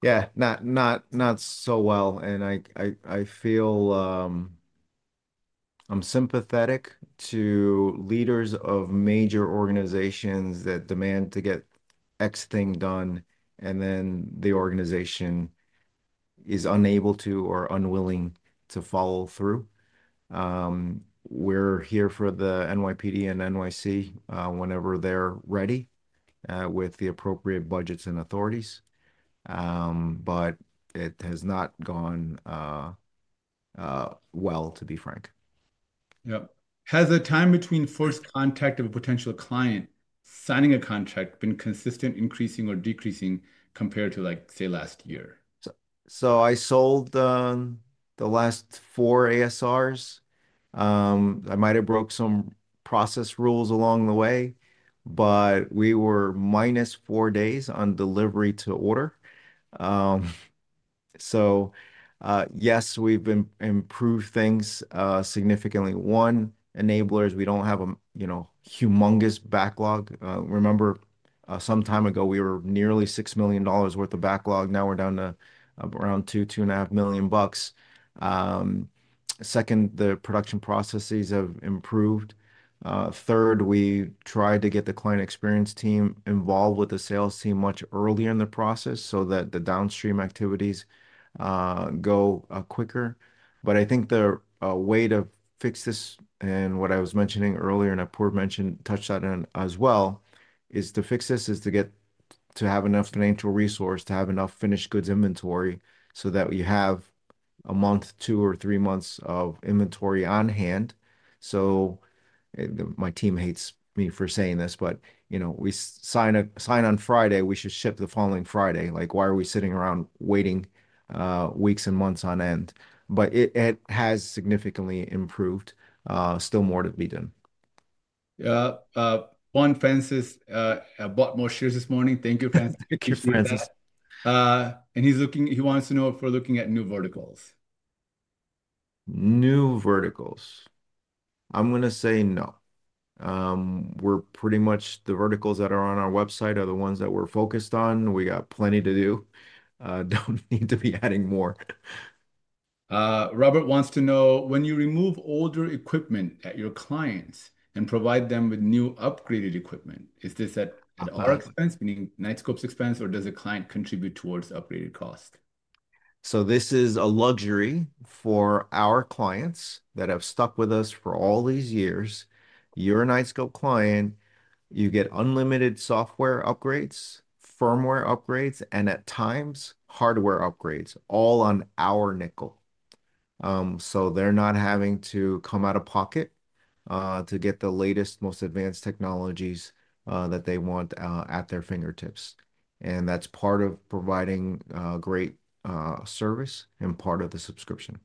Yeah, not, not so well. And I, I feel, I'm sympathetic to leaders of major organizations that demand to get X thing done and then the organization is unable to or unwilling to follow through. We're here for the NYPD and NYC, whenever they're ready, with the appropriate budgets and authorities. It has not gone well, to be frank. Yep. Has the time between first contact of a potential client signing a contract been consistent, increasing or decreasing compared to, like, say, last year? I sold the last four ASRs. I might have broke some process rules along the way, but we were minus four days on delivery to order. Yes, we've improved things significantly. One enabler is we don't have a, you know, humongous backlog. Remember, some time ago we were nearly $6 million worth of backlog. Now we're down to around $2 million-$2.5 million. Second, the production processes have improved. Third, we tried to get the client experience team involved with the sales team much earlier in the process so that the downstream activities go quicker. I think the way to fix this and what I was mentioning earlier and Apoorv mentioned, touched on as well, is to fix this is to get to have enough financial resource to have enough finished goods inventory so that we have a month, two or three months of inventory on hand. My team hates me for saying this, but you know, we sign a, sign on Friday, we should ship the following Friday. Like why are we sitting around waiting, weeks and months on end? It has significantly improved. Still more to be done. Yeah. One fan is, bought more shares this morning. Thank you, fans. Thank you, fans. And he's looking, he wants to know if we're looking at new verticals. New verticals. I'm going to say no. We're pretty much the verticals that are on our website are the ones that we're focused on. We got plenty to do. Don't need to be adding more. Robert wants to know when you remove older equipment at your clients and provide them with new upgraded equipment, is this at our expense, meaning Knightscope's expense, or does the client contribute towards upgraded cost? This is a luxury for our clients that have stuck with us for all these years. You're a Knightscope client. You get unlimited software upgrades, firmware upgrades, and at times hardware upgrades, all on our nickel. They're not having to come out of pocket to get the latest, most advanced technologies that they want at their fingertips. That's part of providing great service and part of the subscription.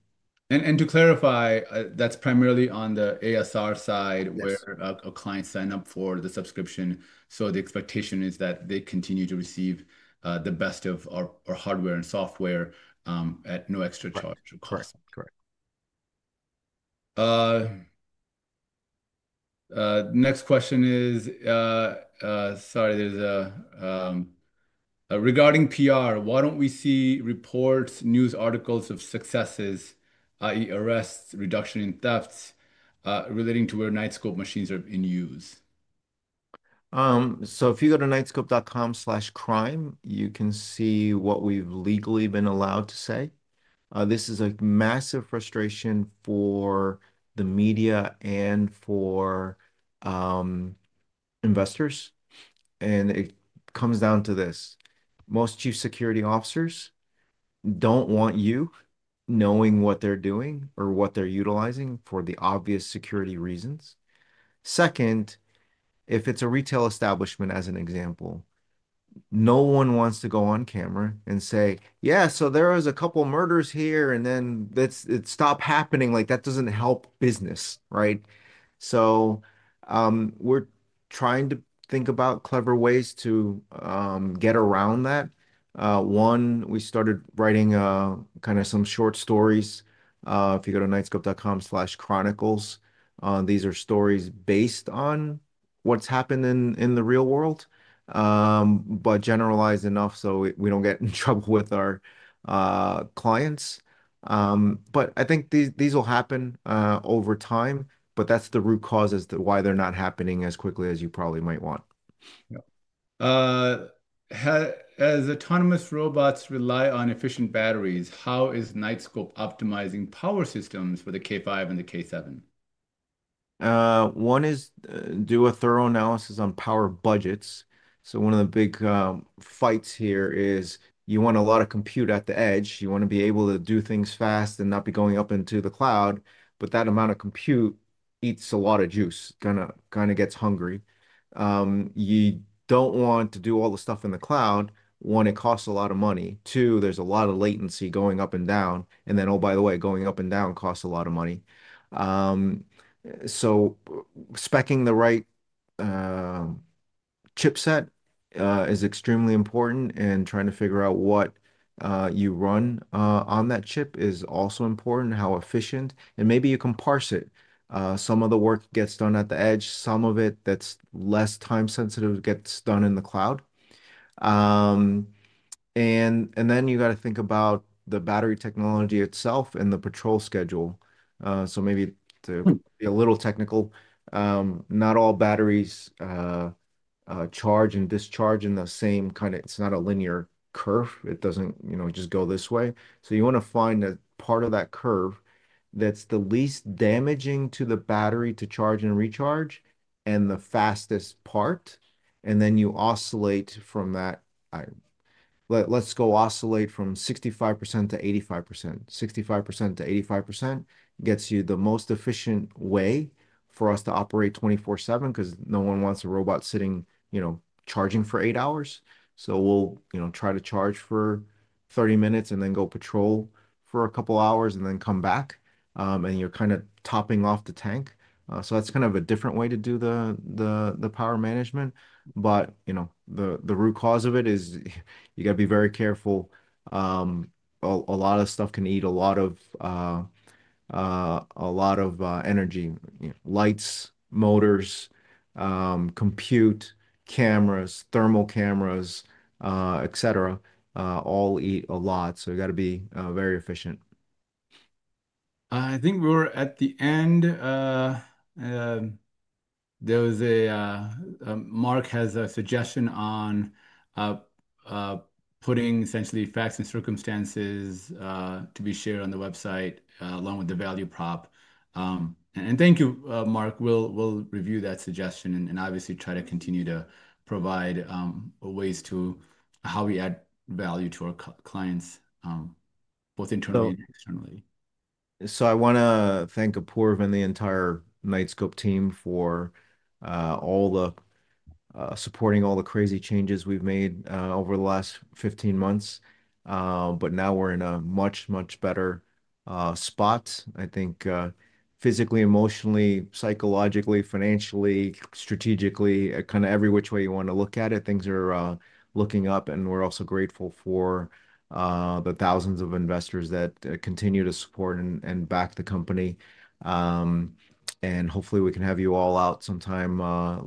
To clarify, that's primarily on the ASR side where a client signed up for the subscription. The expectation is that they continue to receive the best of our hardware and software at no extra charge. Correct. Correct. Next question is, sorry, there's a, regarding PR, why don't we see reports, news articles of successes, i.e., arrests, reduction in thefts, relating to where Knightscope machines are in use? If you go to knightscope.com/crime, you can see what we've legally been allowed to say. This is a massive frustration for the media and for investors. It comes down to this. Most chief security officers don't want you knowing what they're doing or what they're utilizing for the obvious security reasons. Second, if it's a retail establishment as an example, no one wants to go on camera and say, yeah, so there were a couple murders here and then it stopped happening. Like that doesn't help business, right? We're trying to think about clever ways to get around that. One, we started writing kind of some short stories. If you go to knightscope.com/chronicles, these are stories based on what's happened in the real world, but generalized enough so we don't get in trouble with our clients. I think these will happen over time, but that's the root causes to why they're not happening as quickly as you probably might want. Yep. As autonomous robots rely on efficient batteries, how is Knightscope optimizing power systems for the K5 and the K7? One is do a thorough analysis on power budgets. One of the big fights here is you want a lot of compute at the edge. You want to be able to do things fast and not be going up into the cloud, but that amount of compute eats a lot of juice, kind of gets hungry. You do not want to do all the stuff in the cloud. One, it costs a lot of money. Two, there is a lot of latency going up and down. Oh, by the way, going up and down costs a lot of money. Speccing the right chipset is extremely important and trying to figure out what you run on that chip is also important, how efficient, and maybe you can parse it. Some of the work gets done at the edge, some of it that's less time sensitive gets done in the cloud. And, and then you got to think about the battery technology itself and the patrol schedule. So maybe to be a little technical, not all batteries charge and discharge in the same kind of, it's not a linear curve. It doesn't, you know, just go this way. You want to find a part of that curve that's the least damaging to the battery to charge and recharge and the fastest part. Then you oscillate from that. I, let's go oscillate from 65% to 85%. 65% to 85% gets you the most efficient way for us to operate 24/7 because no one wants a robot sitting, you know, charging for eight hours. We'll, you know, try to charge for 30 minutes and then go patrol for a couple hours and then come back. You're kind of topping off the tank. That's kind of a different way to do the power management. You know, the root cause of it is you got to be very careful. A lot of stuff can eat a lot of energy, you know, lights, motors, compute, cameras, thermal cameras, et cetera, all eat a lot. So you got to be very efficient. I think we're at the end. There was a, Mark has a suggestion on putting essentially facts and circumstances to be shared on the website, along with the value prop. Thank you, Mark. We'll review that suggestion and obviously try to continue to provide ways to how we add value to our clients, both internally and externally. I want to thank Apoorv and the entire Knightscope team for all the supporting, all the crazy changes we've made over the last 15 months. Now we're in a much, much better spot. I think, physically, emotionally, psychologically, financially, strategically, kind of every which way you want to look at it, things are looking up. We're also grateful for the thousands of investors that continue to support and back the company. Hopefully we can have you all out sometime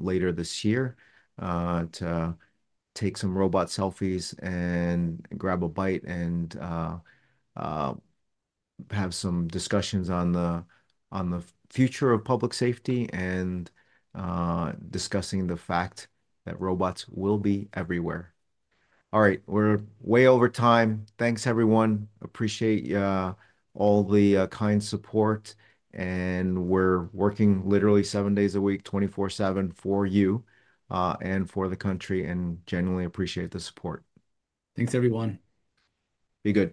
later this year to take some robot selfies and grab a bite and have some discussions on the future of public safety and discussing the fact that robots will be everywhere. All right. We're way over time. Thanks everyone. Appreciate all the kind support and we're working literally seven days a week, 24/7 for you and for the country and genuinely appreciate the support. Thanks everyone. Be good.